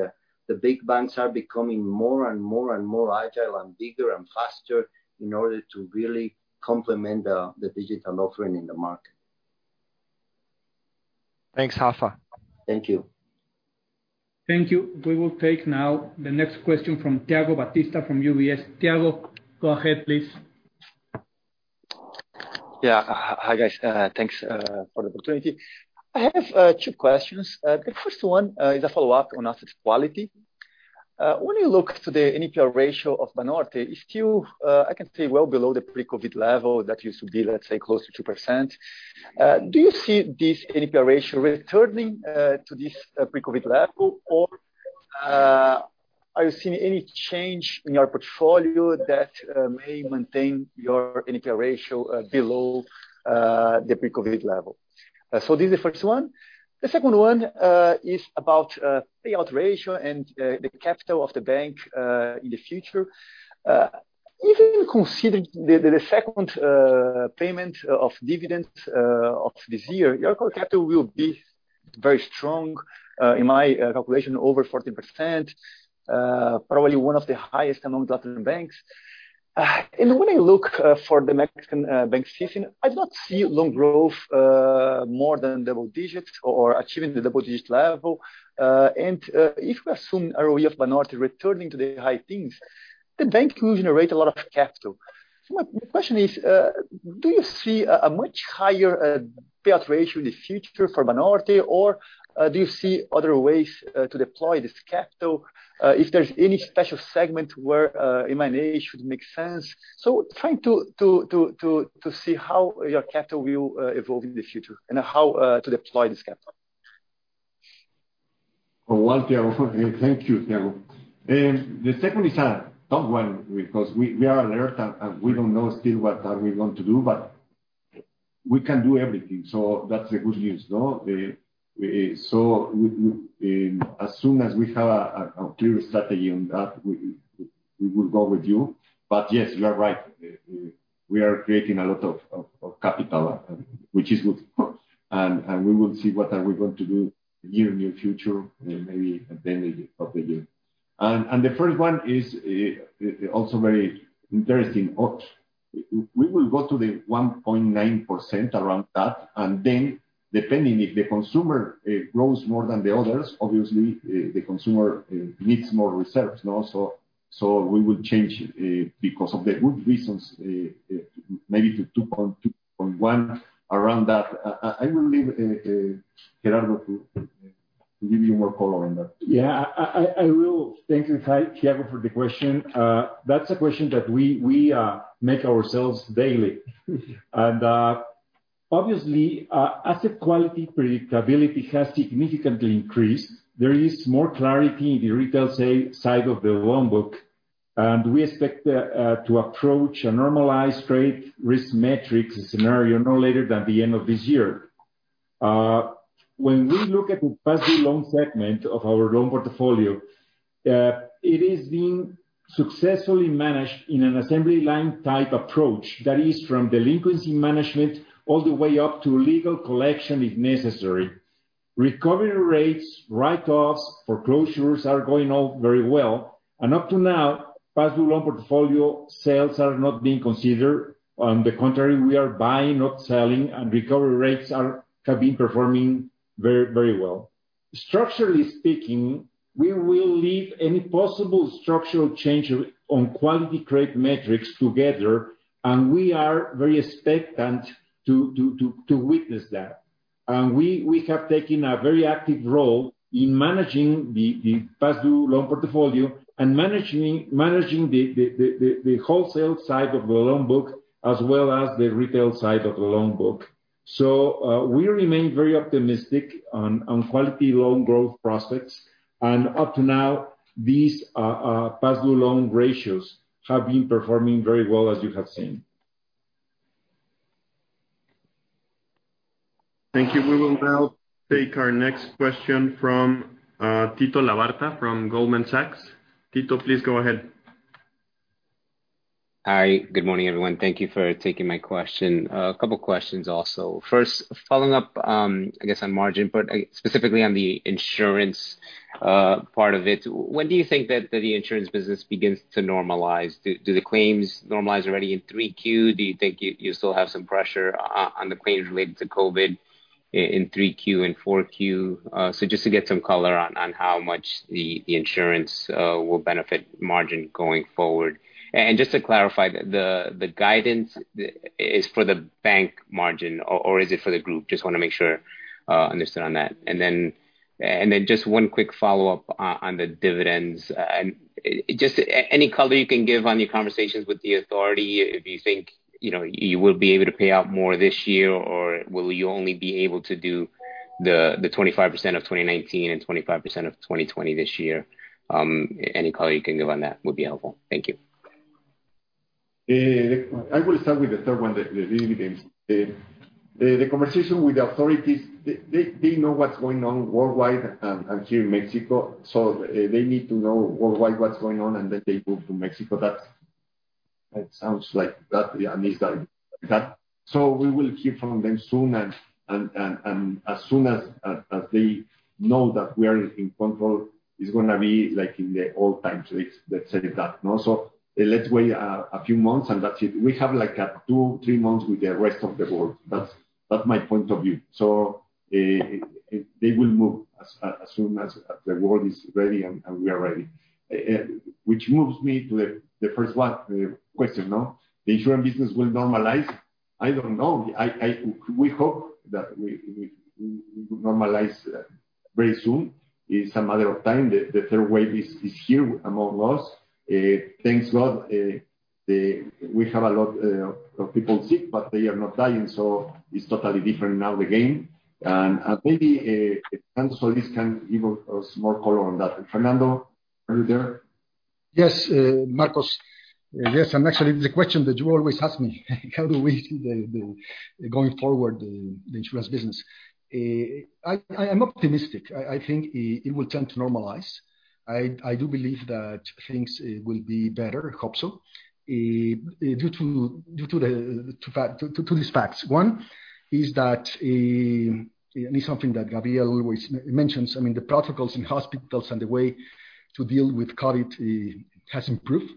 the big banks are becoming more and more and more agile and bigger and faster in order to really complement the digital offering in the market. Thanks, Rafa. Thank you. Thank you. We will take now the next question from Thiago Batista from UBS. Thiago, go ahead, please. Yeah. Hi, guys. Thanks for the opportunity. I have two questions. The first one is a follow-up on asset quality. When you look to the NPL ratio of Banorte, it's still, I can say, well below the pre-COVID level that used to be, let's say, close to 2%. Do you see this NPL ratio returning to this pre-COVID level? Are you seeing any change in your portfolio that may maintain your NPL ratio below the pre-COVID level? This is the first one. The second one is about payout ratio and the capital of the bank in the future. Even considering the second payment of dividends of this year, your core capital will be very strong, in my calculation, over 40%, probably one of the highest among Latin banks. When I look for the Mexican bank system, I do not see long growth more than double digits or achieving the double-digit level. If we assume ROE of Banorte returning to the high teens, the bank will generate a lot of capital. My question is, do you see a much higher payout ratio in the future for Banorte or do you see other ways to deploy this capital, if there's any special segment where M&A should make sense, trying to see how your capital will evolve in the future and how to deploy this capital. Well, thank you, Thiago. The second is a tough one because we are alert. We don't know still what are we going to do, but we can do everything. That's the good news. As soon as we have a clear strategy on that, we will go with you. Yes, you are right. We are creating a lot of capital, which is good. We will see what are we going to do year, near future, and maybe at the end of the year. The first one is also very interesting. We will go to the 1.9%, around that. Depending if the consumer grows more than the others, obviously, the consumer needs more reserves. We will change it because of the good reasons, maybe to 2.1%, around that. I will leave Gerardo to give you more color on that. Yeah, I will. Thank you, Thiago, for the question. That's a question that we make ourselves daily. Obviously, asset quality predictability has significantly increased. There is more clarity in the retail side of the loan book, and we expect to approach a normalized trade risk matrix scenario no later than the end of this year. When we look at the past due loan segment of our loan portfolio, it is being successfully managed in an assembly line type approach that is from delinquency management all the way up to legal collection if necessary. Recovery rates, write-offs, foreclosures are going all very well, and up to now, past due loan portfolio sales are not being considered. On the contrary, we are buying, not selling, and recovery rates have been performing very well. Structurally speaking, we will leave any possible structural change on quality credit metrics together. We are very expectant to witness that. We have taken a very active role in managing the past due loan portfolio and managing the wholesale side of the loan book, as well as the retail side of the loan book. We remain very optimistic on quality loan growth prospects. Up to now, these past due loan ratios have been performing very well, as you have seen. Thank you. We will now take our next question from Tito Labarta from Goldman Sachs. Tito, please go ahead. Hi. Good morning, everyone. Thank you for taking my question. A couple questions also. First, following up, I guess, on margin, but specifically on the insurance part of it, when do you think that the insurance business begins to normalize? Do the claims normalize already in 3Q? Do you think you still have some pressure on the claims related to COVID-19 in 3Q and 4Q? Just to get some color on how much the insurance will benefit margin going forward. Just to clarify, the guidance is for the bank margin or is it for the group? Just want to make sure I understood on that. Just one quick follow-up on the dividends. Just any color you can give on your conversations with the authority, if you think you will be able to pay out more this year, or will you only be able to do the 25% of 2019 and 25% of 2020 this year? Any color you can give on that would be helpful. Thank you. I will start with the third one. The conversation with the authorities, they know what's going on worldwide and here in Mexico. They need to know worldwide what's going on, and then they move to Mexico. That sounds like that. We will hear from them soon, and as soon as they know that we are in control, it's going to be like in the old times. Let's say that. Let's wait a few months, and that's it. We have two, three months with the rest of the world. That's my point of view. They will move as soon as the world is ready and we are ready. Which moves me to the first one, the question. The insurance business will normalize. I don't know. We hope that we will normalize very soon. It's a matter of time. The third wave is here among us. Thank God, we have a lot of people sick, but they are not dying, so it's totally different now again. Maybe also this can give us more color on that. Fernando, are you there? Yes, Marcos. Yes, actually, it's a question that you always ask me. How do we see going forward the insurance business? I'm optimistic. I think it will tend to normalize. I do believe that things will be better. I hope so. Due to these facts. One is that, it's something that Gabriel always mentions, the protocols in hospitals and the way to deal with COVID has improved.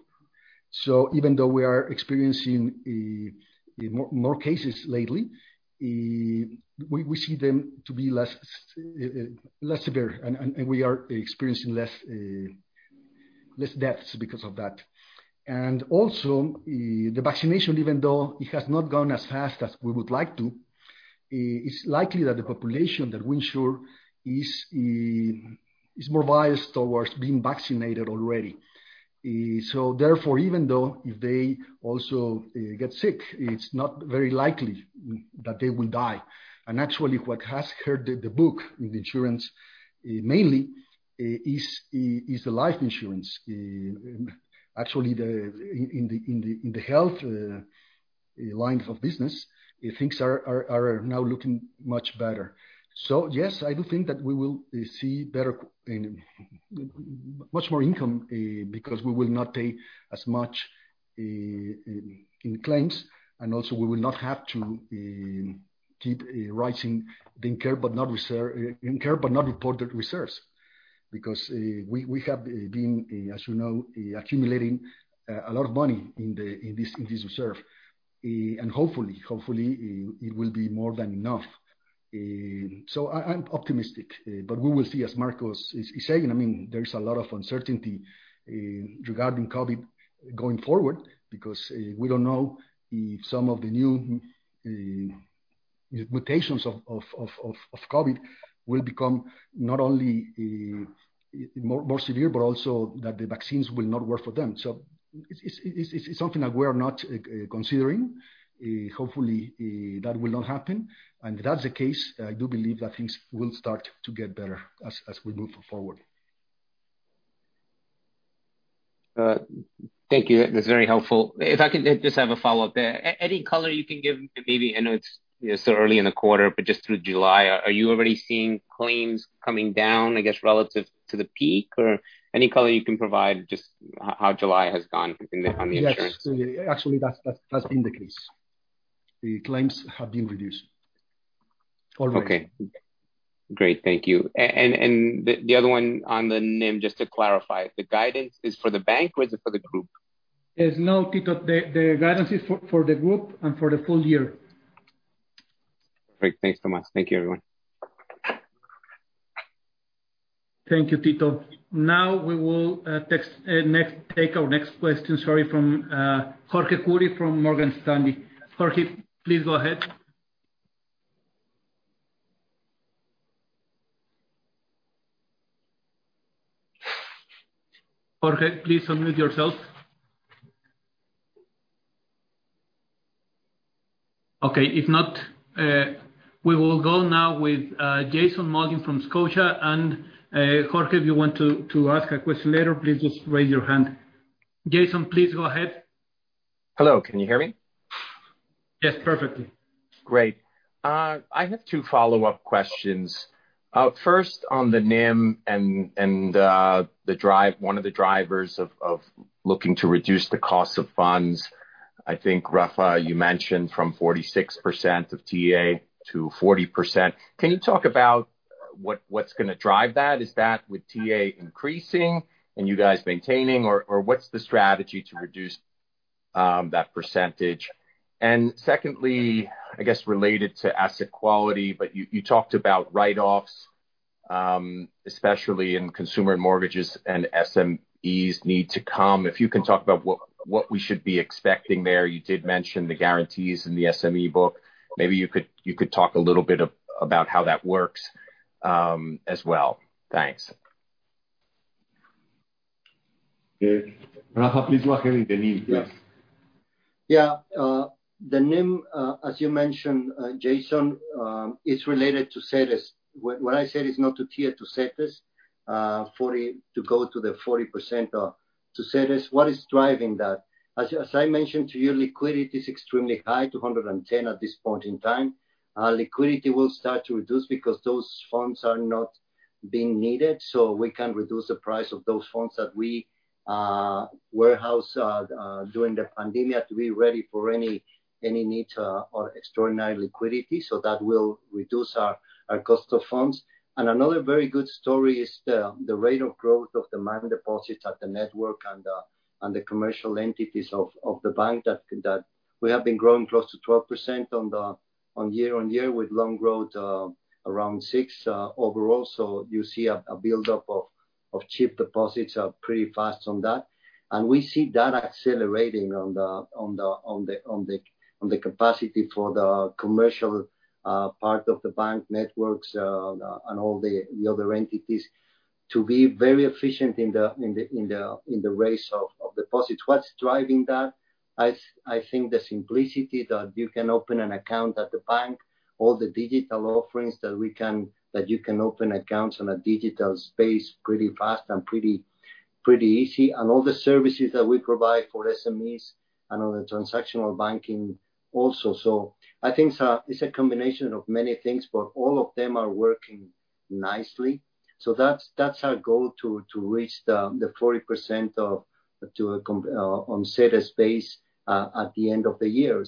Even though we are experiencing more cases lately, we see them to be less severe, and we are experiencing less deaths because of that. Also, the vaccination, even though it has not gone as fast as we would like to, it's likely that the population that we insure is more biased towards being vaccinated already. Therefore, even though if they also get sick, it's not very likely that they will die. Actually, what has hurt the book in the insurance mainly is the life insurance. Actually, in the health lines of business, things are now looking much better. Yes, I do think that we will see much more income, because we will not take as much in claims, and also we will not have to keep raising the incur but not reported reserves. Because we have been, as you know, accumulating a lot of money in this reserve. Hopefully it will be more than enough. I'm optimistic. We will see, as Marcos is saying, there's a lot of uncertainty regarding COVID going forward, because we don't know if some of the new mutations of COVID will become not only more severe, but also that the vaccines will not work for them. It's something that we are not considering. Hopefully, that will not happen. If that's the case, I do believe that things will start to get better as we move forward. Thank you. That's very helpful. If I could just have a follow-up there. Any color you can give, maybe I know it's early in the quarter, but just through July, are you already seeing claims coming down, I guess, relative to the peak? Any color you can provide just how July has gone on the insurance? Yes. Actually, that's been the case. The claims have been reduced already. Okay. Great. Thank you. The other one on the NIM, just to clarify, the guidance is for the bank or is it for the group? There's no Tito. The guidance is for the group and for the full year. Great. Thanks so much. Thank you, everyone. Thank you, Tito. Now we will take our next question from Jorge Kuri from Morgan Stanley. Jorge, please go ahead. Jorge, please unmute yourself. Okay, if not, we will go now with Jason Mulgeng from Scotiabank. Jorge, if you want to ask a question later, please just raise your hand. Jason, please go ahead. Hello, can you hear me? Yes, perfectly. Great. I have two follow-up questions. First, on the NIM and one of the drivers of looking to reduce the cost of funds. I think, Rafa, you mentioned from 46% of TA to 40%. Can you talk about what's going to drive that? Is that with TA increasing and you guys maintaining, or what's the strategy to reduce that percentage? Secondly, I guess related to asset quality, but you talked about write-offs, especially in consumer mortgages and SMEs need to come. If you can talk about what we should be expecting there. You did mention the guarantees in the SME book. Maybe you could talk a little bit about how that works, as well. Thanks. Rafa, please go ahead with the NIM, please. Yeah. The NIM, as you mentioned, Jason, is related to CEDES. What I said is not to tier to CEDES, to go to the 40% to CEDES. What is driving that? As I mentioned to you, liquidity is extremely high, 210 at this point in time. Liquidity will start to reduce because those funds are not being needed, so we can reduce the price of those funds that we warehouse during the pandemic to be ready for any need or extraordinary liquidity. Another very good story is the rate of growth of the margin deposits at the network and the commercial entities of the bank. We have been growing close to 12% year-over-year with loan growth around 6% overall. You see a build-up of cheap deposits are pretty fast on that. We see that accelerating on the capacity for the commercial part of the bank networks, and all the other entities to be very efficient in the race of. Deposits. What's driving that, I think the simplicity that you can open an account at the bank, all the digital offerings that you can open accounts on a digital space pretty fast and pretty easy, and all the services that we provide for SMEs and on the transactional banking also. I think it's a combination of many things, but all of them are working nicely. That's our goal, to reach the 40% on CEDES pace at the end of the year.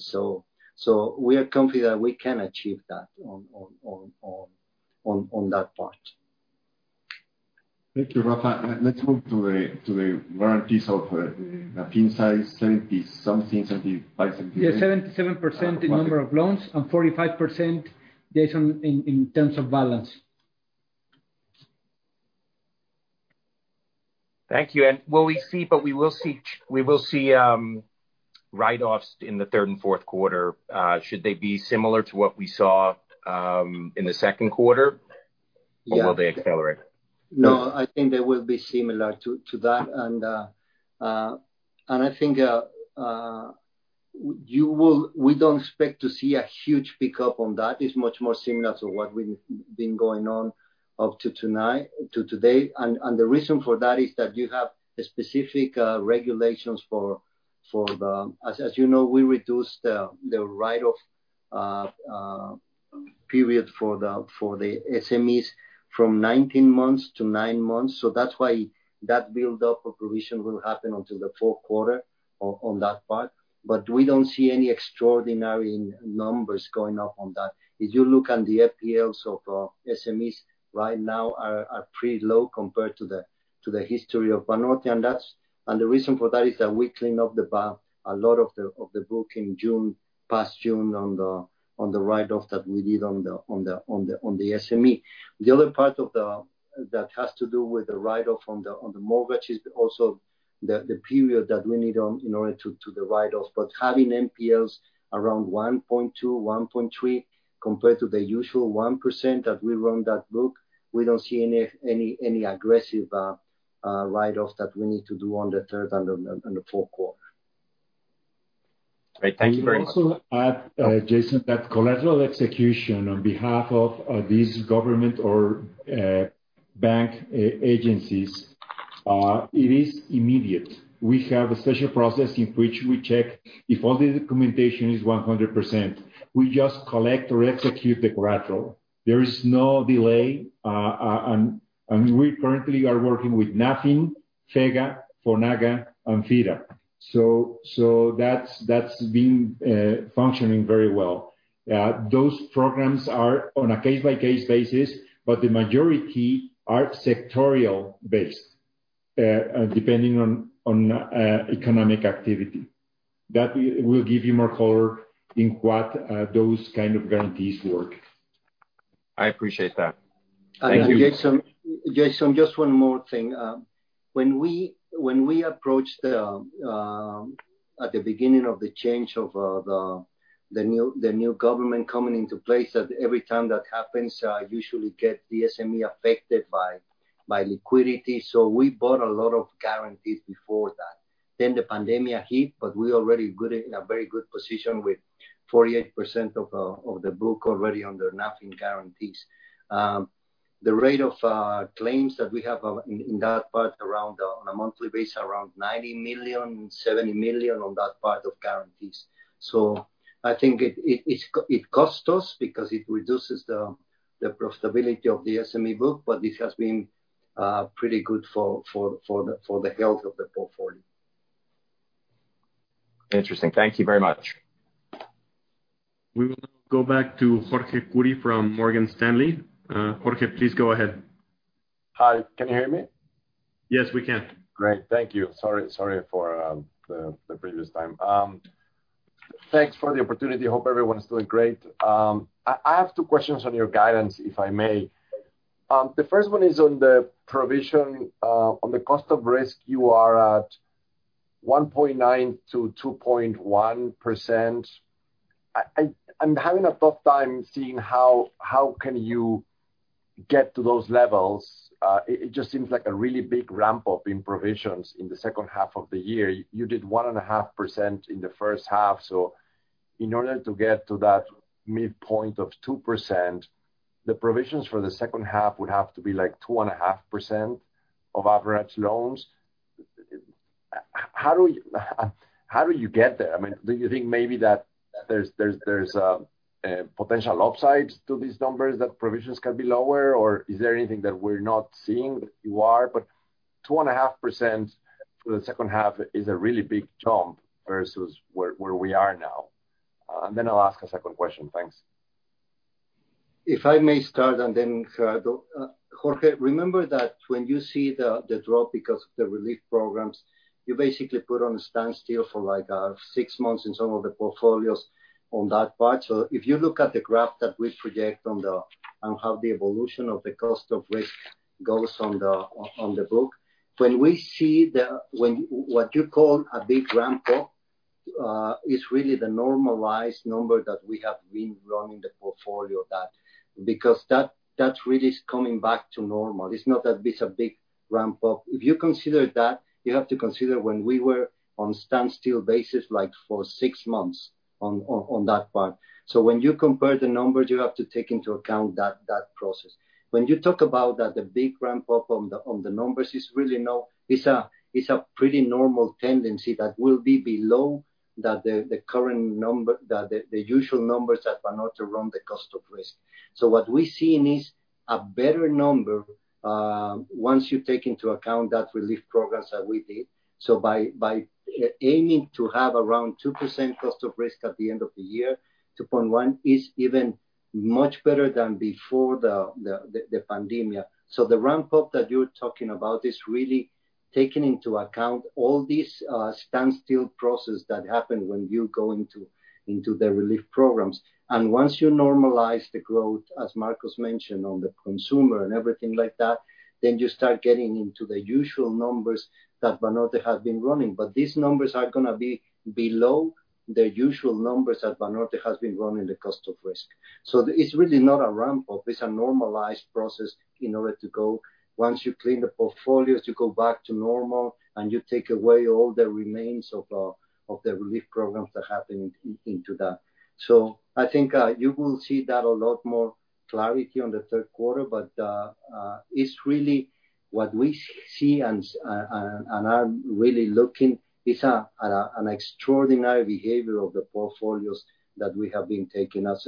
We are confident we can achieve that on that part. Thank you, Rafa. Let's move to the warranties of the NPLs size, 70 something, 75, 78. Yeah, 77% in number of loans and 45%, Jason, in terms of balance. Thank you. Will we see write-offs in the third and fourth quarter? Should they be similar to what we saw in the second quarter? Yeah. Will they accelerate? No, I think they will be similar to that. I think we don't expect to see a huge pickup on that. It's much more similar to what we've been going on up to today. The reason for that is that you have specific regulations for the As you know, we reduced the write-off period for the SMEs from 19 months to 9 months. That's why that buildup of provision will happen until the fourth quarter, on that part. We don't see any extraordinary numbers going up on that. If you look on the NPLs of SMEs right now are pretty low compared to the history of Banorte, the reason for that is that we clean up the book, a lot of the book in past June on the write-off that we did on the SME. The other part that has to do with the write-off on the mortgage is also the period that we need in order to the write-offs. Having NPLs around 1.2, 1.3, compared to the usual 1% that we run that book, we don't see any aggressive write-offs that we need to do on the third and the fourth quarter. Great. Thank you very much. I would also add, Jason, that collateral execution on behalf of these government or bank agencies, it is immediate. We have a special process in which we check if all the documentation is 100%. We just collect or execute the collateral. There is no delay. We currently are working with Nafin, FEGA, FONAGA, and FIRA. That's been functioning very well. Those programs are on a case-by-case basis, but the majority are sectorial based, depending on economic activity. That will give you more color in what those kind of guarantees work. I appreciate that. Thank you. Jason, just one more thing. When we approach the, at the beginning of the change of the new government coming into place, that every time that happens, usually get the SME affected by liquidity. We bought a lot of guarantees before that. The pandemic hit, but we already in a very good position with 48% of the book already under Nafin guarantees. The rate of claims that we have in that part on a monthly basis, around 90 million, 70 million on that part of guarantees. I think it costs us because it reduces the profitability of the SME book, but it has been pretty good for the health of the portfolio. Interesting. Thank you very much. We will now go back to Jorge Kuri from Morgan Stanley. Jorge, please go ahead. Hi. Can you hear me? Yes, we can. Great. Thank you. Sorry for the previous time. Thanks for the opportunity. Hope everyone's doing great. I have two questions on your guidance, if I may. The first one is on the provision, on the cost of risk, you are at 1.9%-2.1%. I'm having a tough time seeing how can you get to those levels. It just seems like a really big ramp-up in provisions in the second half of the year. You did 1.5% in the first half. In order to get to that midpoint of 2%, the provisions for the second half would have to be like 2.5% of average loans. How do you get there? Do you think maybe that there's potential upsides to these numbers that provisions can be lower? Is there anything that we're not seeing that you are? 2.5% for the second half is a really big jump versus where we are now. Then I'll ask a second question. Thanks. If I may start. Then Gerardo. Jorge, remember that when you see the drop because of the relief programs, you basically put on a standstill for six months in some of the portfolios on that part. If you look at the graph that we project on how the evolution of the cost of risk goes on the book, when we see what you call a big ramp-up. It's really the normalized number that we have been running the portfolio. That's really coming back to normal. It's not that it's a big ramp-up. If you consider that, you have to consider when we were on standstill basis for six months on that part. When you compare the numbers, you have to take into account that process. When you talk about the big ramp-up on the numbers, it's really a pretty normal tendency that will be below the current number, the usual numbers that Banorte run the cost of risk. What we're seeing is a better number, once you take into account that relief programs that we did. By aiming to have around 2% cost of risk at the end of the year, 2.1% is even much better than before the pandemic. The ramp-up that you're talking about is really taking into account all these standstill process that happened when you go into the relief programs. Once you normalize the growth, as Marcos mentioned on the consumer and everything like that, then you start getting into the usual numbers that Banorte has been running. These numbers are going to be below the usual numbers that Banorte has been running the cost of risk. It's really not a ramp-up. It's a normalized process in order to go, once you clean the portfolios, you go back to normal and you take away all the remains of the relief programs that happened into that. I think you will see that a lot more clarity on the third quarter, but it's really what we see and are really looking is an extraordinary behavior of the portfolios that we have been taking. As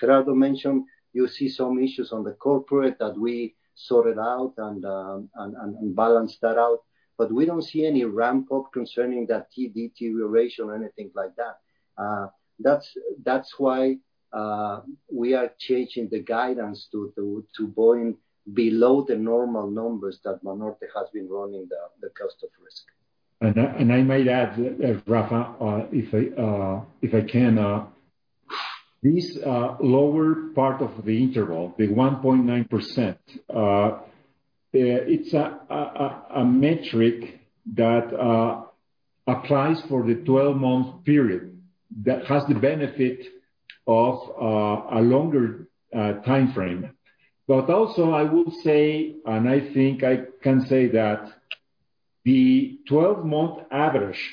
Gerardo mentioned, you see some issues on the corporate that we sorted out and balanced that out. We don't see any ramp-up concerning that deterioration or anything like that. That's why we are changing the guidance to going below the normal numbers that Banorte has been running the cost of risk. I might add, Rafa, if I can. This lower part of the interval, the 1.9%, it's a metric that applies for the 12-month period that has the benefit of a longer timeframe. Also I would say, and I think I can say that the 12-month average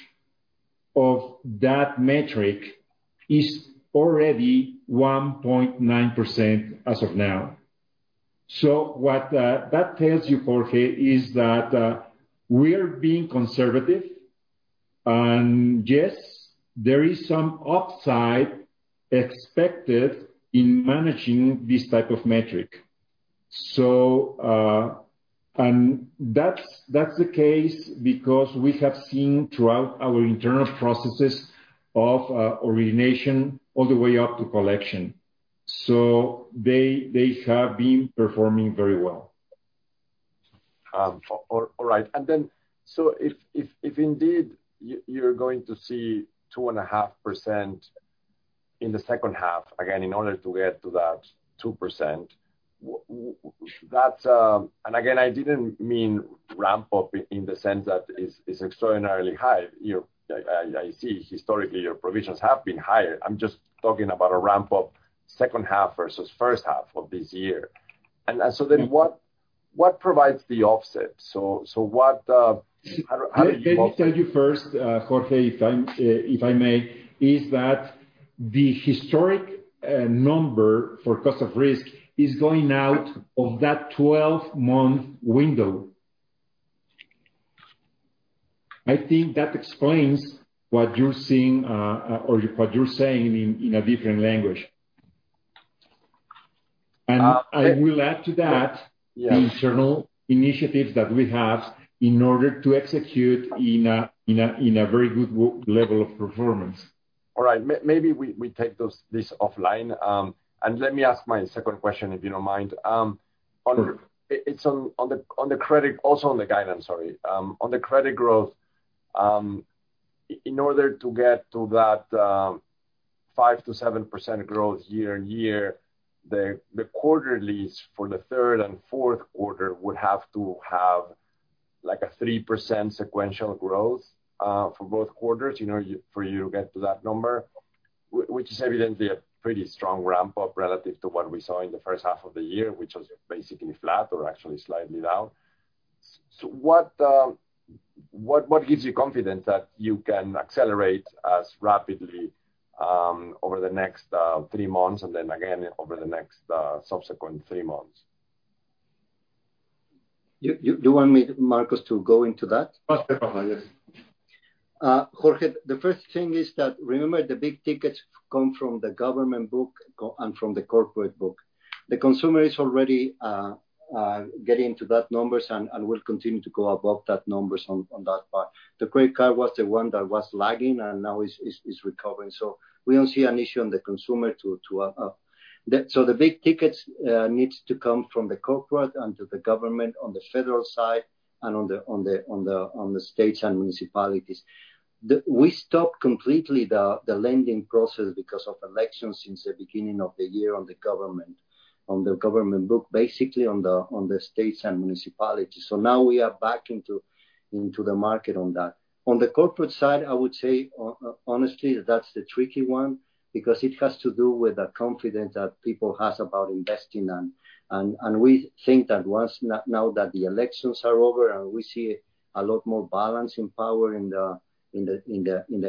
of that metric is already 1.9% as of now. What that tells you, Jorge, is that we are being conservative and yes, there is some upside expected in managing this type of metric. That's the case because we have seen throughout our internal processes of origination all the way up to collection. They have been performing very well. All right. If indeed you're going to see 2.5% in the second half, again, in order to get to that 2%, again, I didn't mean ramp-up in the sense that it's extraordinarily high. I see historically your provisions have been higher. I'm just talking about a ramp-up second half versus first half of this year. What provides the offset? Let me tell you first, Jorge, if I may, is that the historic number for cost of risk is going out of that 12-month window. I think that explains what you're seeing, or what you're saying in a different language. I will add to that. Yes The internal initiatives that we have in order to execute in a very good level of performance. All right. Maybe we take this offline. Let me ask my second question, if you don't mind. Sure. It's on the credit, also on the guidance, sorry. On the credit growth, in order to get to that 5%-7% growth year-on-year, the quarter at least for the third and fourth quarter would have to have a 3% sequential growth for both quarters for you to get to that number. Which is evidently a pretty strong ramp-up relative to what we saw in the first half of the year, which was basically flat or actually slightly down. What gives you confidence that you can accelerate as rapidly over the next three months and then again over the next subsequent 3 months? You want me, Marcos, to go into that? Of course, Rafa, yes. Jorge, the first thing is that remember the big tickets come from the government book and from the corporate book. The consumer is already getting to that numbers and will continue to go above that numbers on that part. The credit card was the one that was lagging and now is recovering. We don't see an issue on the consumer to up. The big tickets needs to come from the corporate and to the government on the federal side and on the states and municipalities. We stopped completely the lending process because of elections since the beginning of the year on the government book, basically on the states and municipalities. Now we are back into the market on that. On the corporate side, I would say honestly, that's the tricky one because it has to do with the confidence that people has about investing. We think that once now that the elections are over and we see a lot more balance in power in the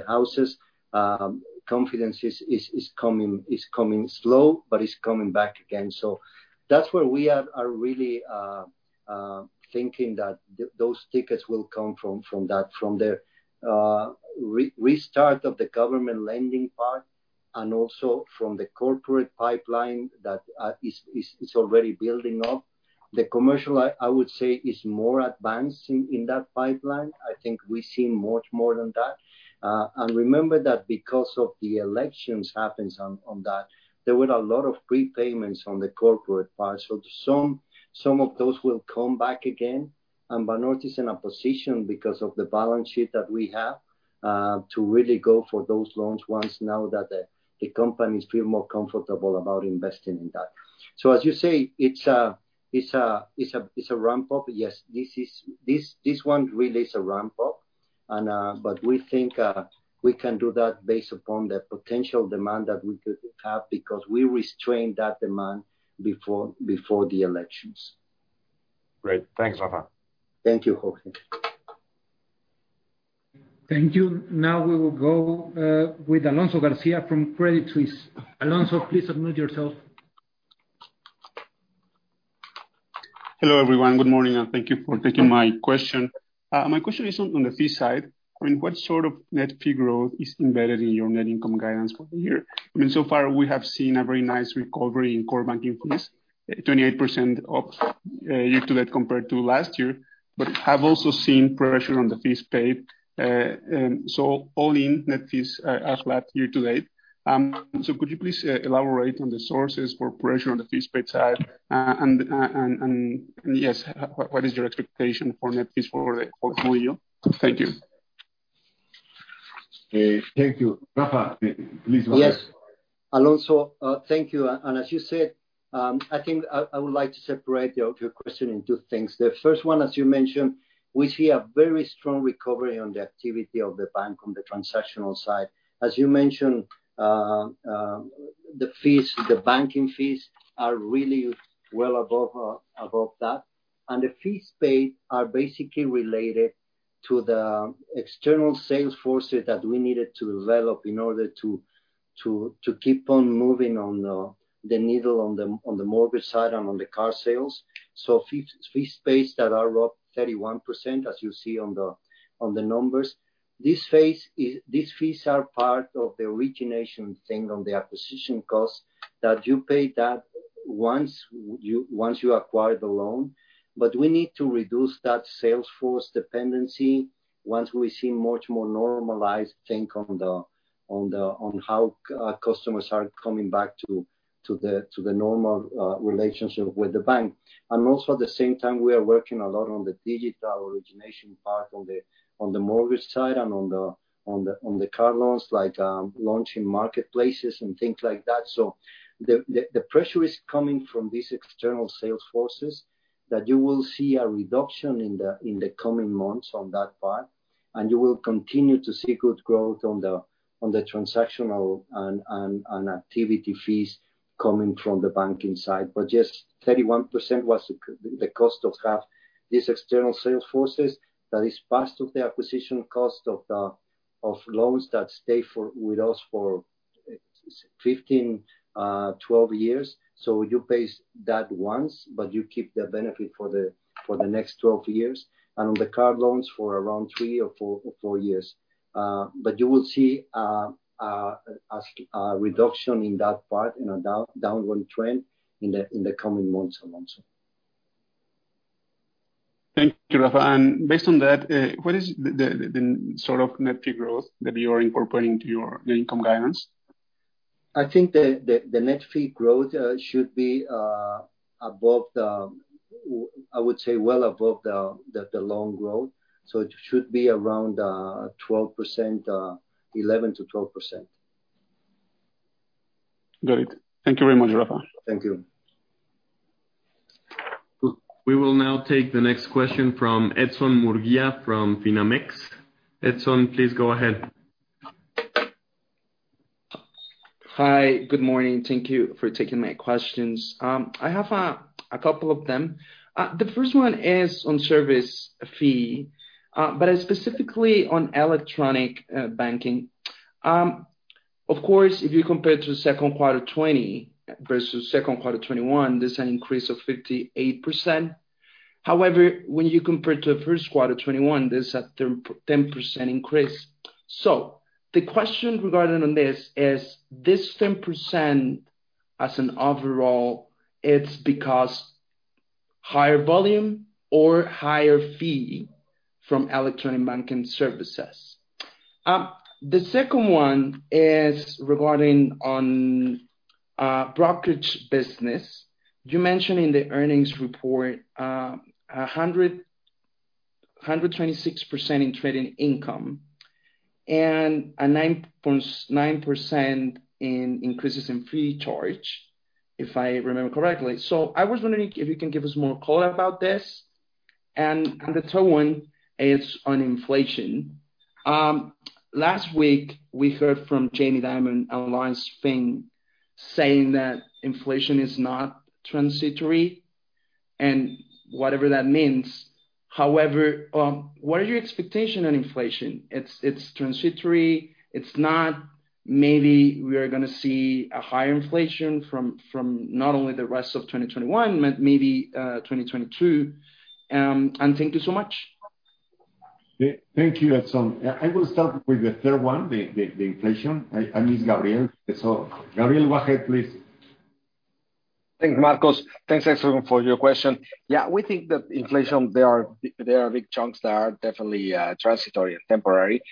Houses, confidence is coming slow, but it's coming back again. That's where we are really thinking that those tickets will come from the restart of the government lending part. And also from the corporate pipeline that is already building up. The commercial, I would say, is more advanced in that pipeline. I think we see much more than that. Remember that because of the elections happens on that, there were a lot of prepayments on the corporate part. Some of those will come back again, and Banorte's in a position because of the balance sheet that we have, to really go for those loans once now that the companies feel more comfortable about investing in that. As you say, it's a ramp-up. Yes. This one really is a ramp-up. We think we can do that based upon the potential demand that we could have, because we restrained that demand before the elections. Great. Thanks, Rafa. Thank you, Jorge. Thank you. We will go with Alonso García from Credit Suisse. Alonso, please unmute yourself. Hello, everyone. Good morning, and thank you for taking my question. My question is on the fee side. What sort of net fee growth is embedded in your net income guidance for the year? So far, we have seen a very nice recovery in core banking fees, 28% up year to date compared to last year, but have also seen pressure on the fees paid, and so all-in net fees are flat year to date. Could you please elaborate on the sources for pressure on the fees paid side, and yes, what is your expectation for net fees for the full year? Thank you. Thank you. Rafa, please. Yes. Alonso, thank you. As you said, I think I would like to separate your question in 2 things. The first one, as you mentioned, we see a very strong recovery on the activity of the bank on the transactional side. As you mentioned, the banking fees are really well above that, and the fees paid are basically related to the external sales forces that we needed to develop in order to keep on moving on the needle on the mortgage side and on the car sales. Fees paid that are up 31%, as you see on the numbers. These fees are part of the origination thing on the acquisition cost that you pay that once you acquire the loan. We need to reduce that sales force dependency once we see much more normalized thing on how customers are coming back to the normal relationship with the bank. At the same time, we are working a lot on the digital origination part on the mortgage side and on the car loans, like launching marketplaces and things like that. The pressure is coming from these external sales forces that you will see a reduction in the coming months on that part, and you will continue to see good growth on the transactional and activity fees coming from the banking side. Yes, 31% was the cost of half these external sales forces. That is part of the acquisition cost of loans that stay with us for 15, 12 years. You pay that once, but you keep the benefit for the next 12 years, and on the car loans for around three or four years. You will see a reduction in that part, a downward trend, in the coming months, Alonso. Thank you, Rafa. Based on that, what is the sort of net fee growth that you are incorporating into your income guidance? I think the net fee growth should be above the, I would say, well above the loan growth, so it should be around 11%-12%. Great. Thank you very much, Rafa. Thank you. We will now take the next question from Edson Murguía from Finamex. Edson, please go ahead. Hi. Good morning. Thank you for taking my questions. I have a couple of them. The first one is on service fee, but specifically on electronic banking. Of course, if you compare to Q2 2020 versus Q2 2021, there's an increase of 58%. However, when you compare to the Q1 2021, there's a 10% increase. The question regarding on this is, this 10% as an overall, it's because higher volume or higher fee from electronic banking services? The second one is regarding on brokerage business. You mentioned in the earnings report 126% in trading income and a 9.9% in increases in fee charge, if I remember correctly. I was wondering if you can give us more color about this. The third one is on inflation. Last week, we heard from Jamie Dimon, Larry Fink, saying that inflation is not transitory, and whatever that means. However, what are your expectation on inflation? It's transitory, it's not, maybe we are going to see a higher inflation from not only the rest of 2021, but maybe 2022? Thank you so much. Thank you, Edson. I will start with the third one, the inflation. I miss Gabriel. Gabriel, go ahead, please. Thanks, Marcos. Thanks, Edson, for your question. Yeah, we think that inflation, there are big chunks that are definitely transitory and temporary,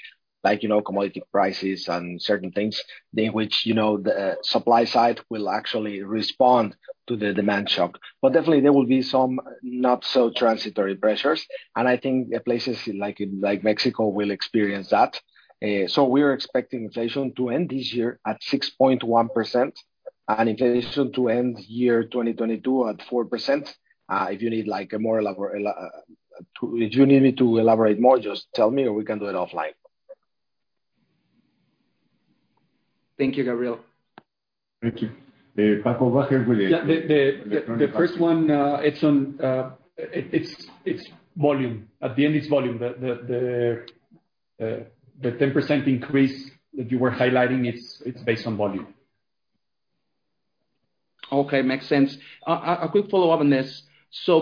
like commodity prices and certain things, in which the supply side will actually respond to the demand shock. Definitely there will be some not so transitory pressures, and I think places like Mexico will experience that. We are expecting inflation to end this year at 6.1%, and inflation to end year 2022 at 4%. If you need me to elaborate more, just tell me, or we can do it offline. Thank you, Gabriel. Thank you. Paco, go ahead, please. Yeah. The first one, Edson, it's volume. At the end, it's volume. The 10% increase that you were highlighting, it's based on volume. Okay. Makes sense. A quick follow-up on this.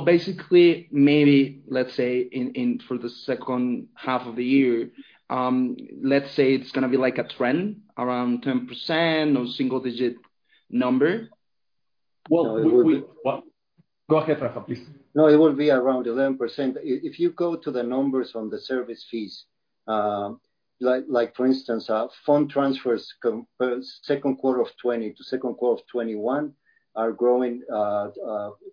Basically, maybe let's say for the 2nd half of the year, let's say it's going to be like a trend around 10%, or single-digit number? Well- Go ahead, Rafa, please. It will be around 11%. If you go to the numbers on the service fees, like for instance, fund transfers second quarter of 2020 to second quarter of 2021 are growing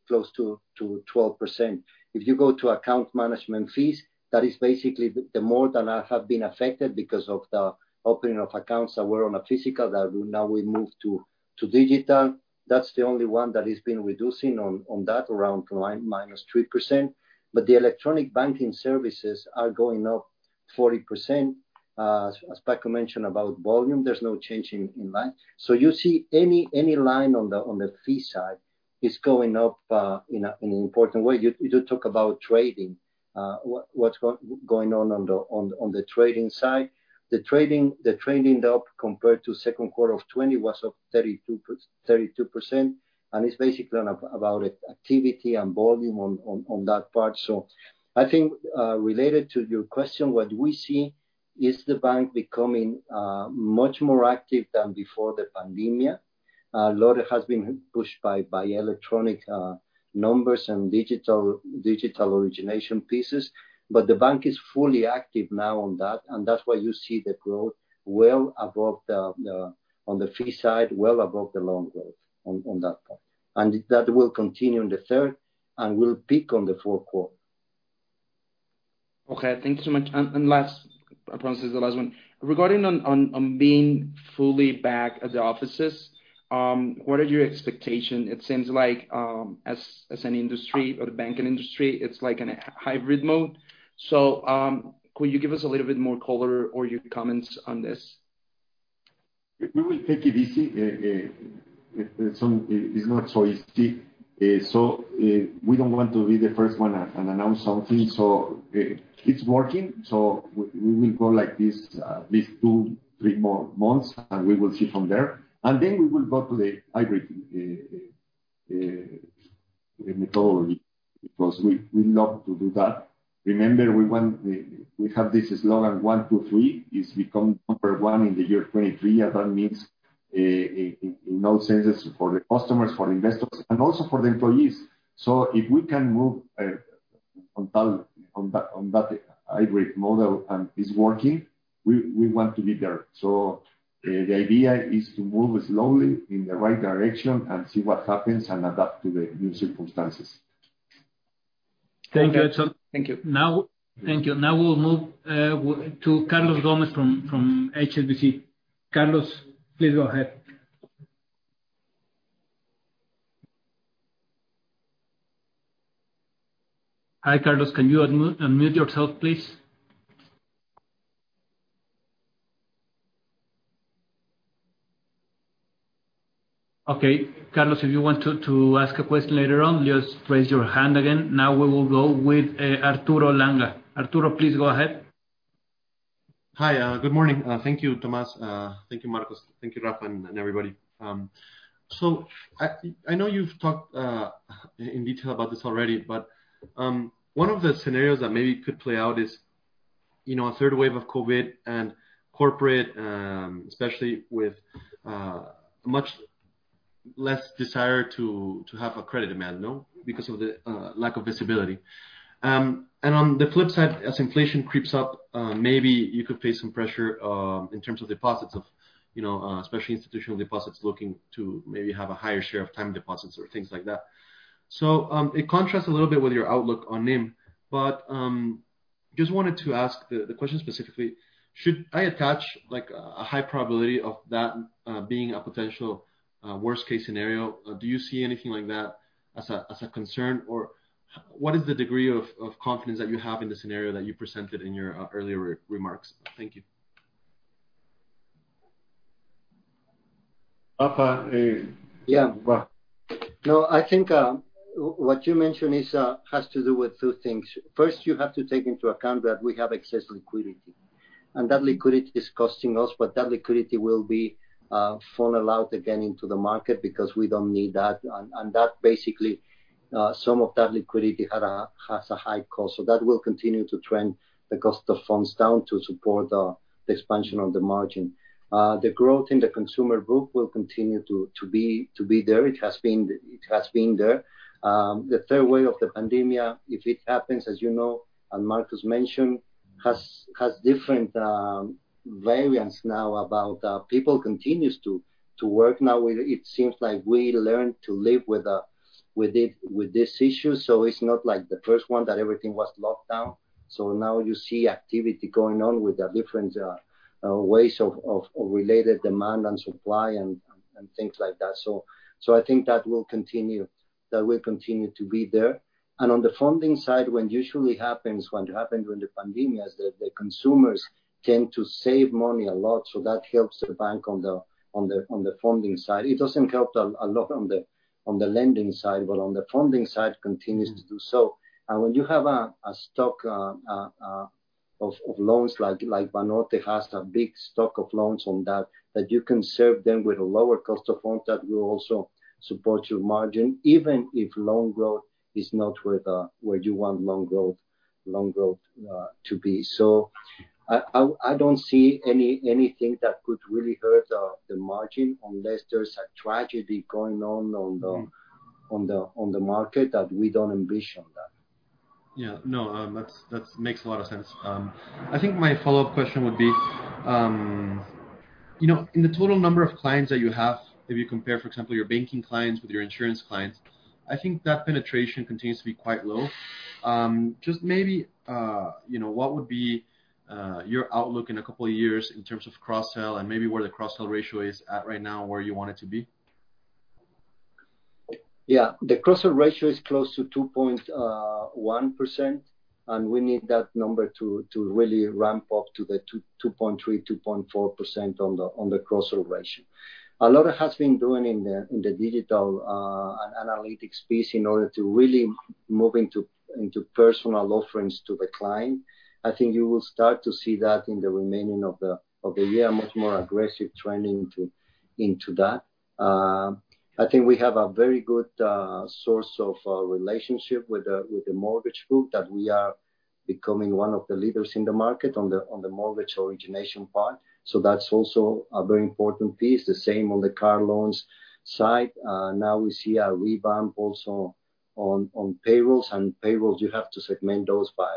close to 12%. If you go to account management fees, that is basically the more that have been affected because of the opening of accounts that were on a physical that now we moved to digital. That's the only one that has been reducing on that, around minus 3%. The electronic banking services are going up 40%. As Paco mentioned about volume, there's no change in line. You see any line on the fee side is going up in an important way. You do talk about trading, what's going on the trading side. The trading, though, compared to second quarter of 2020, was up 32%, and it's basically about activity and volume on that part. I think, related to your question, what we see is the bank becoming much more active than before the pandemia. A lot has been pushed by electronic numbers and digital origination pieces. The bank is fully active now on that, and that's why you see the growth on the fee side, well above the loan growth on that part. That will continue in the third and will peak on the fourth quarter. Okay. Thank you so much. Last, I promise it's the last one. Regarding on being fully back at the offices, what are your expectation? It seems like, as an industry or the banking industry, it's like in a hybrid mode. Could you give us a little bit more color or your comments on this? We will take it easy. Edson, it's not so easy. We don't want to be the first one and announce something. It's working. We will go like this at least two, three more months, and we will see from there. Then we will go to the hybrid methodology, because we love to do that. Remember, we have this slogan, "One, two, three." It's become number 1 in the year 2023, and that means in all senses for the customers, for investors, and also for the employees. If we can move on that hybrid model and it's working, we want to be there. The idea is to move slowly in the right direction and see what happens and adapt to the new circumstances. Thank you, Edson. Thank you. Thank you. Now we will move to Carlos Gomez-Lopez from HSBC. Carlos, please go ahead. Hi, Carlos, can you unmute yourself, please? Okay, Carlos, if you want to ask a question later on, just raise your hand again. Now we will go with Arturo Langa. Arturo, please go ahead. Hi. Good morning. Thank you, Tomás. Thank you, Marcos. Thank you, Rafa, and everybody. I know you've talked in detail about this already, one of the scenarios that maybe could play out is a third wave of COVID-19 and corporate, especially with much less desire to have a credit demand, no? Because of the lack of visibility. On the flip side, as inflation creeps up, maybe you could face some pressure in terms of deposits of, especially institutional deposits looking to maybe have a higher share of time deposits or things like that. It contrasts a little bit with your outlook on NIM. Just wanted to ask the question specifically, should I attach a high probability of that being a potential worst-case scenario? Do you see anything like that as a concern? What is the degree of confidence that you have in the scenario that you presented in your earlier remarks? Thank you. Rafa? Yeah. No, I think what you mentioned has to do with two things. First, you have to take into account that we have excess liquidity. That liquidity is costing us, but that liquidity will be funneled out again into the market because we don't need that. Some of that liquidity has a high cost. That will continue to trend the cost of funds down to support the expansion of the margin. The growth in the consumer group will continue to be there. It has been there. The third wave of the pandemic, if it happens, as you know and Marcos mentioned, has different variants now about people continuing to work now. It seems like we learned to live with this issue, so it's not like the first one that everything was locked down. Now you see activity going on with the different ways of related demand and supply and things like that. I think that will continue to be there. On the funding side, what usually happens, what happened during the pandemia, is that the consumers tend to save money a lot, so that helps the bank on the funding side. It doesn't help a lot on the lending side, but on the funding side continues to do so. When you have a stock of loans, like Banorte has a big stock of loans on that you can serve them with a lower cost of funds, that will also support your margin, even if loan growth is not where you want loan growth to be. I don't see anything that could really hurt the margin unless there's a tragedy going on the market that we don't envision. Yeah. No, that makes a lot of sense. I think my follow-up question would be, in the total number of clients that you have, if you compare, for example, your banking clients with your insurance clients, I think that penetration continues to be quite low. Just maybe, what would be your outlook in a couple of years in terms of cross-sell and maybe where the cross-sell ratio is at right now, and where you want it to be? Yeah. The cross-sell ratio is close to 2.1%, and we need that number to really ramp up to the 2.3-2.4% on the cross-sell ratio. A lot has been done in the digital analytics piece in order to really move into personal offerings to the client. I think you will start to see that in the remainder of the year, much more aggressive trending into that. I think we have a very good source of relationship with the mortgage group that we are becoming one of the leaders in the market on the mortgage origination part. That's also a very important piece. The same on the car loans side. Now we see a rebound also on payrolls. Payrolls, you have to segment those by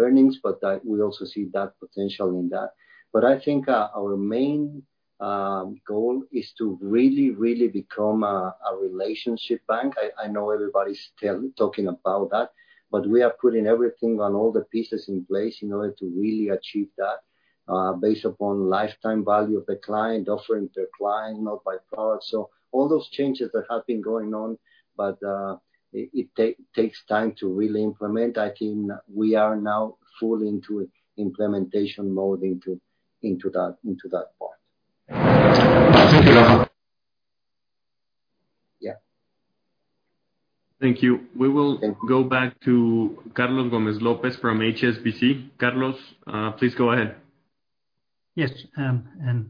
earnings, but we also see that potential in that. I think our main goal is to really become a relationship bank. I know everybody's talking about that, but we are putting everything and all the pieces in place in order to really achieve that based upon lifetime value of the client, offering the client not by product. All those changes that have been going on, but it takes time to really implement. I think we are now fully into implementation mode into that part. Thank you. Yeah. Thank you. We will go back to Carlos Gomez-Lopez from HSBC. Carlos, please go ahead. Yes,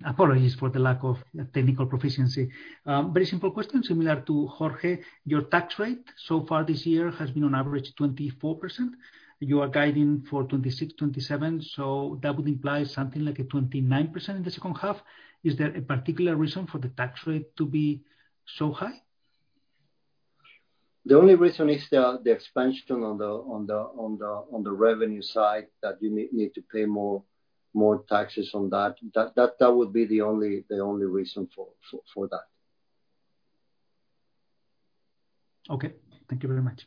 apologies for the lack of technical proficiency. Very simple question similar to Jorge. Your tax rate so far this year has been on average 24%. You are guiding for 26%, 27%, that would imply something like a 29% in the second half. Is there a particular reason for the tax rate to be so high? The only reason is the expansion on the revenue side that you need to pay more taxes on that. That would be the only reason for that. Okay. Thank you very much.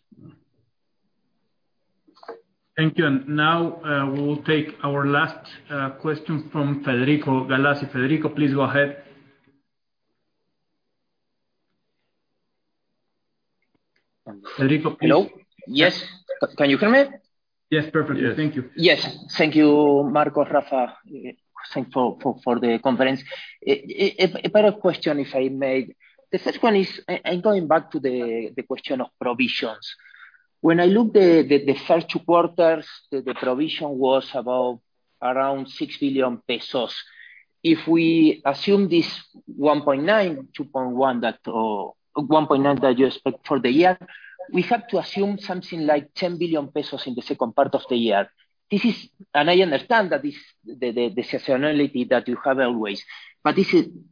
Thank you. Now, we will take our last question from Federico Galassi. Federico, please go ahead. Hello. Yes. Can you hear me? Yes, perfect. Thank you. Yes. Thank you, Marcos, Rafa. Thanks for the conference. A pair of questions, if I may. The first one is, going back to the question of provisions. When I look at the first two quarters, the provision was about around 6 billion pesos. If we assume this 1.9 that you expect for the year, we have to assume something like 10 billion pesos in the second part of the year. I understand that this is the seasonality that you have always. Again,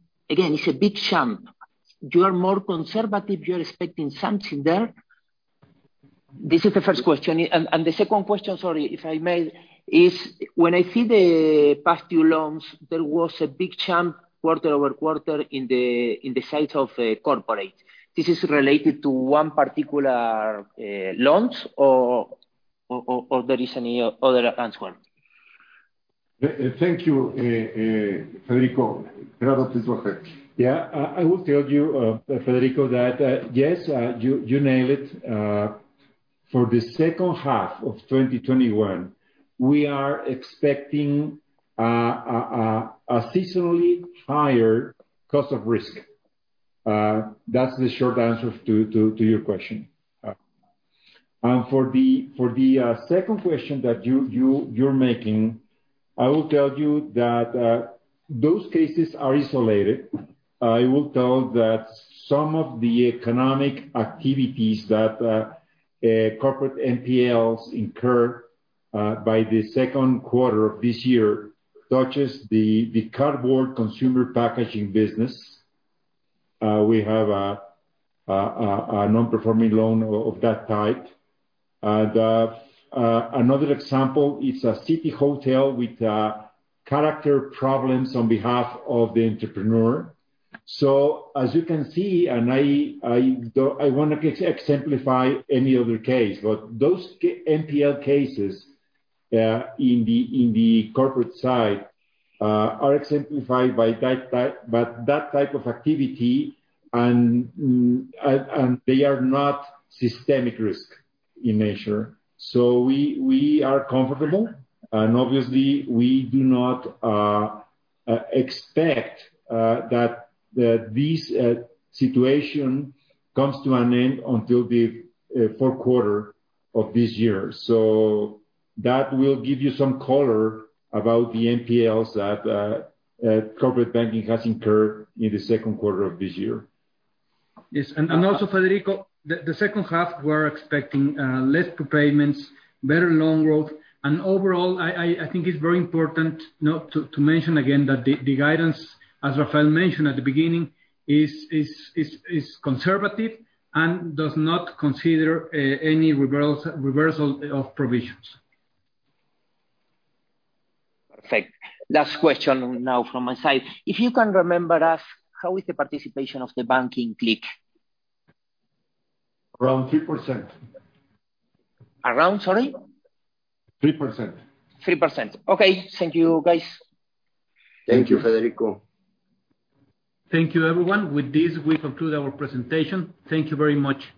it's a big jump. You are more conservative. You are expecting something there? This is the first question. The second question, sorry, if I may, is when I see the past due loans, there was a big jump quarter-over-quarter in the sales of the corporate. This is related to one particular loans or there is any other answer? Thank you, Federico. Rafa, please go ahead. Yeah. I will tell you, Federico, that yes, you nailed it. For the second half of 2021, we are expecting a seasonally higher cost of risk. That's the short answer to your question. For the second question that you're making, I will tell you that those cases are isolated. I will tell that some of the economic activities that corporate NPLs incurred by the second quarter of this year, such as the cardboard consumer packaging business, we have a non-performing loan of that type. Another example is a city hotel with character problems on behalf of the entrepreneur. As you can see, and I want to exemplify any other case, but those NPL cases in the corporate side are exemplified by that type of activity, and they are not systemic risk in nature. We are comfortable, and obviously we do not expect that this situation comes to an end until the fourth quarter of this year. That will give you some color about the NPLs that corporate banking has incurred in the second quarter of this year. Yes. Also, Federico, the second half, we're expecting less prepayments, better loan growth. Overall, I think it's very important to mention again that the guidance, as Rafael mentioned at the beginning, is conservative and does not consider any reversal of provisions. Perfect. Last question now from my side. If you can remember us, how is the participation of the banking click? Around 3%. Around, sorry? 3%. 3%. Okay. Thank you, guys. Thank you. Thank you, Federico. Thank you, everyone. With this, we conclude our presentation. Thank you very much.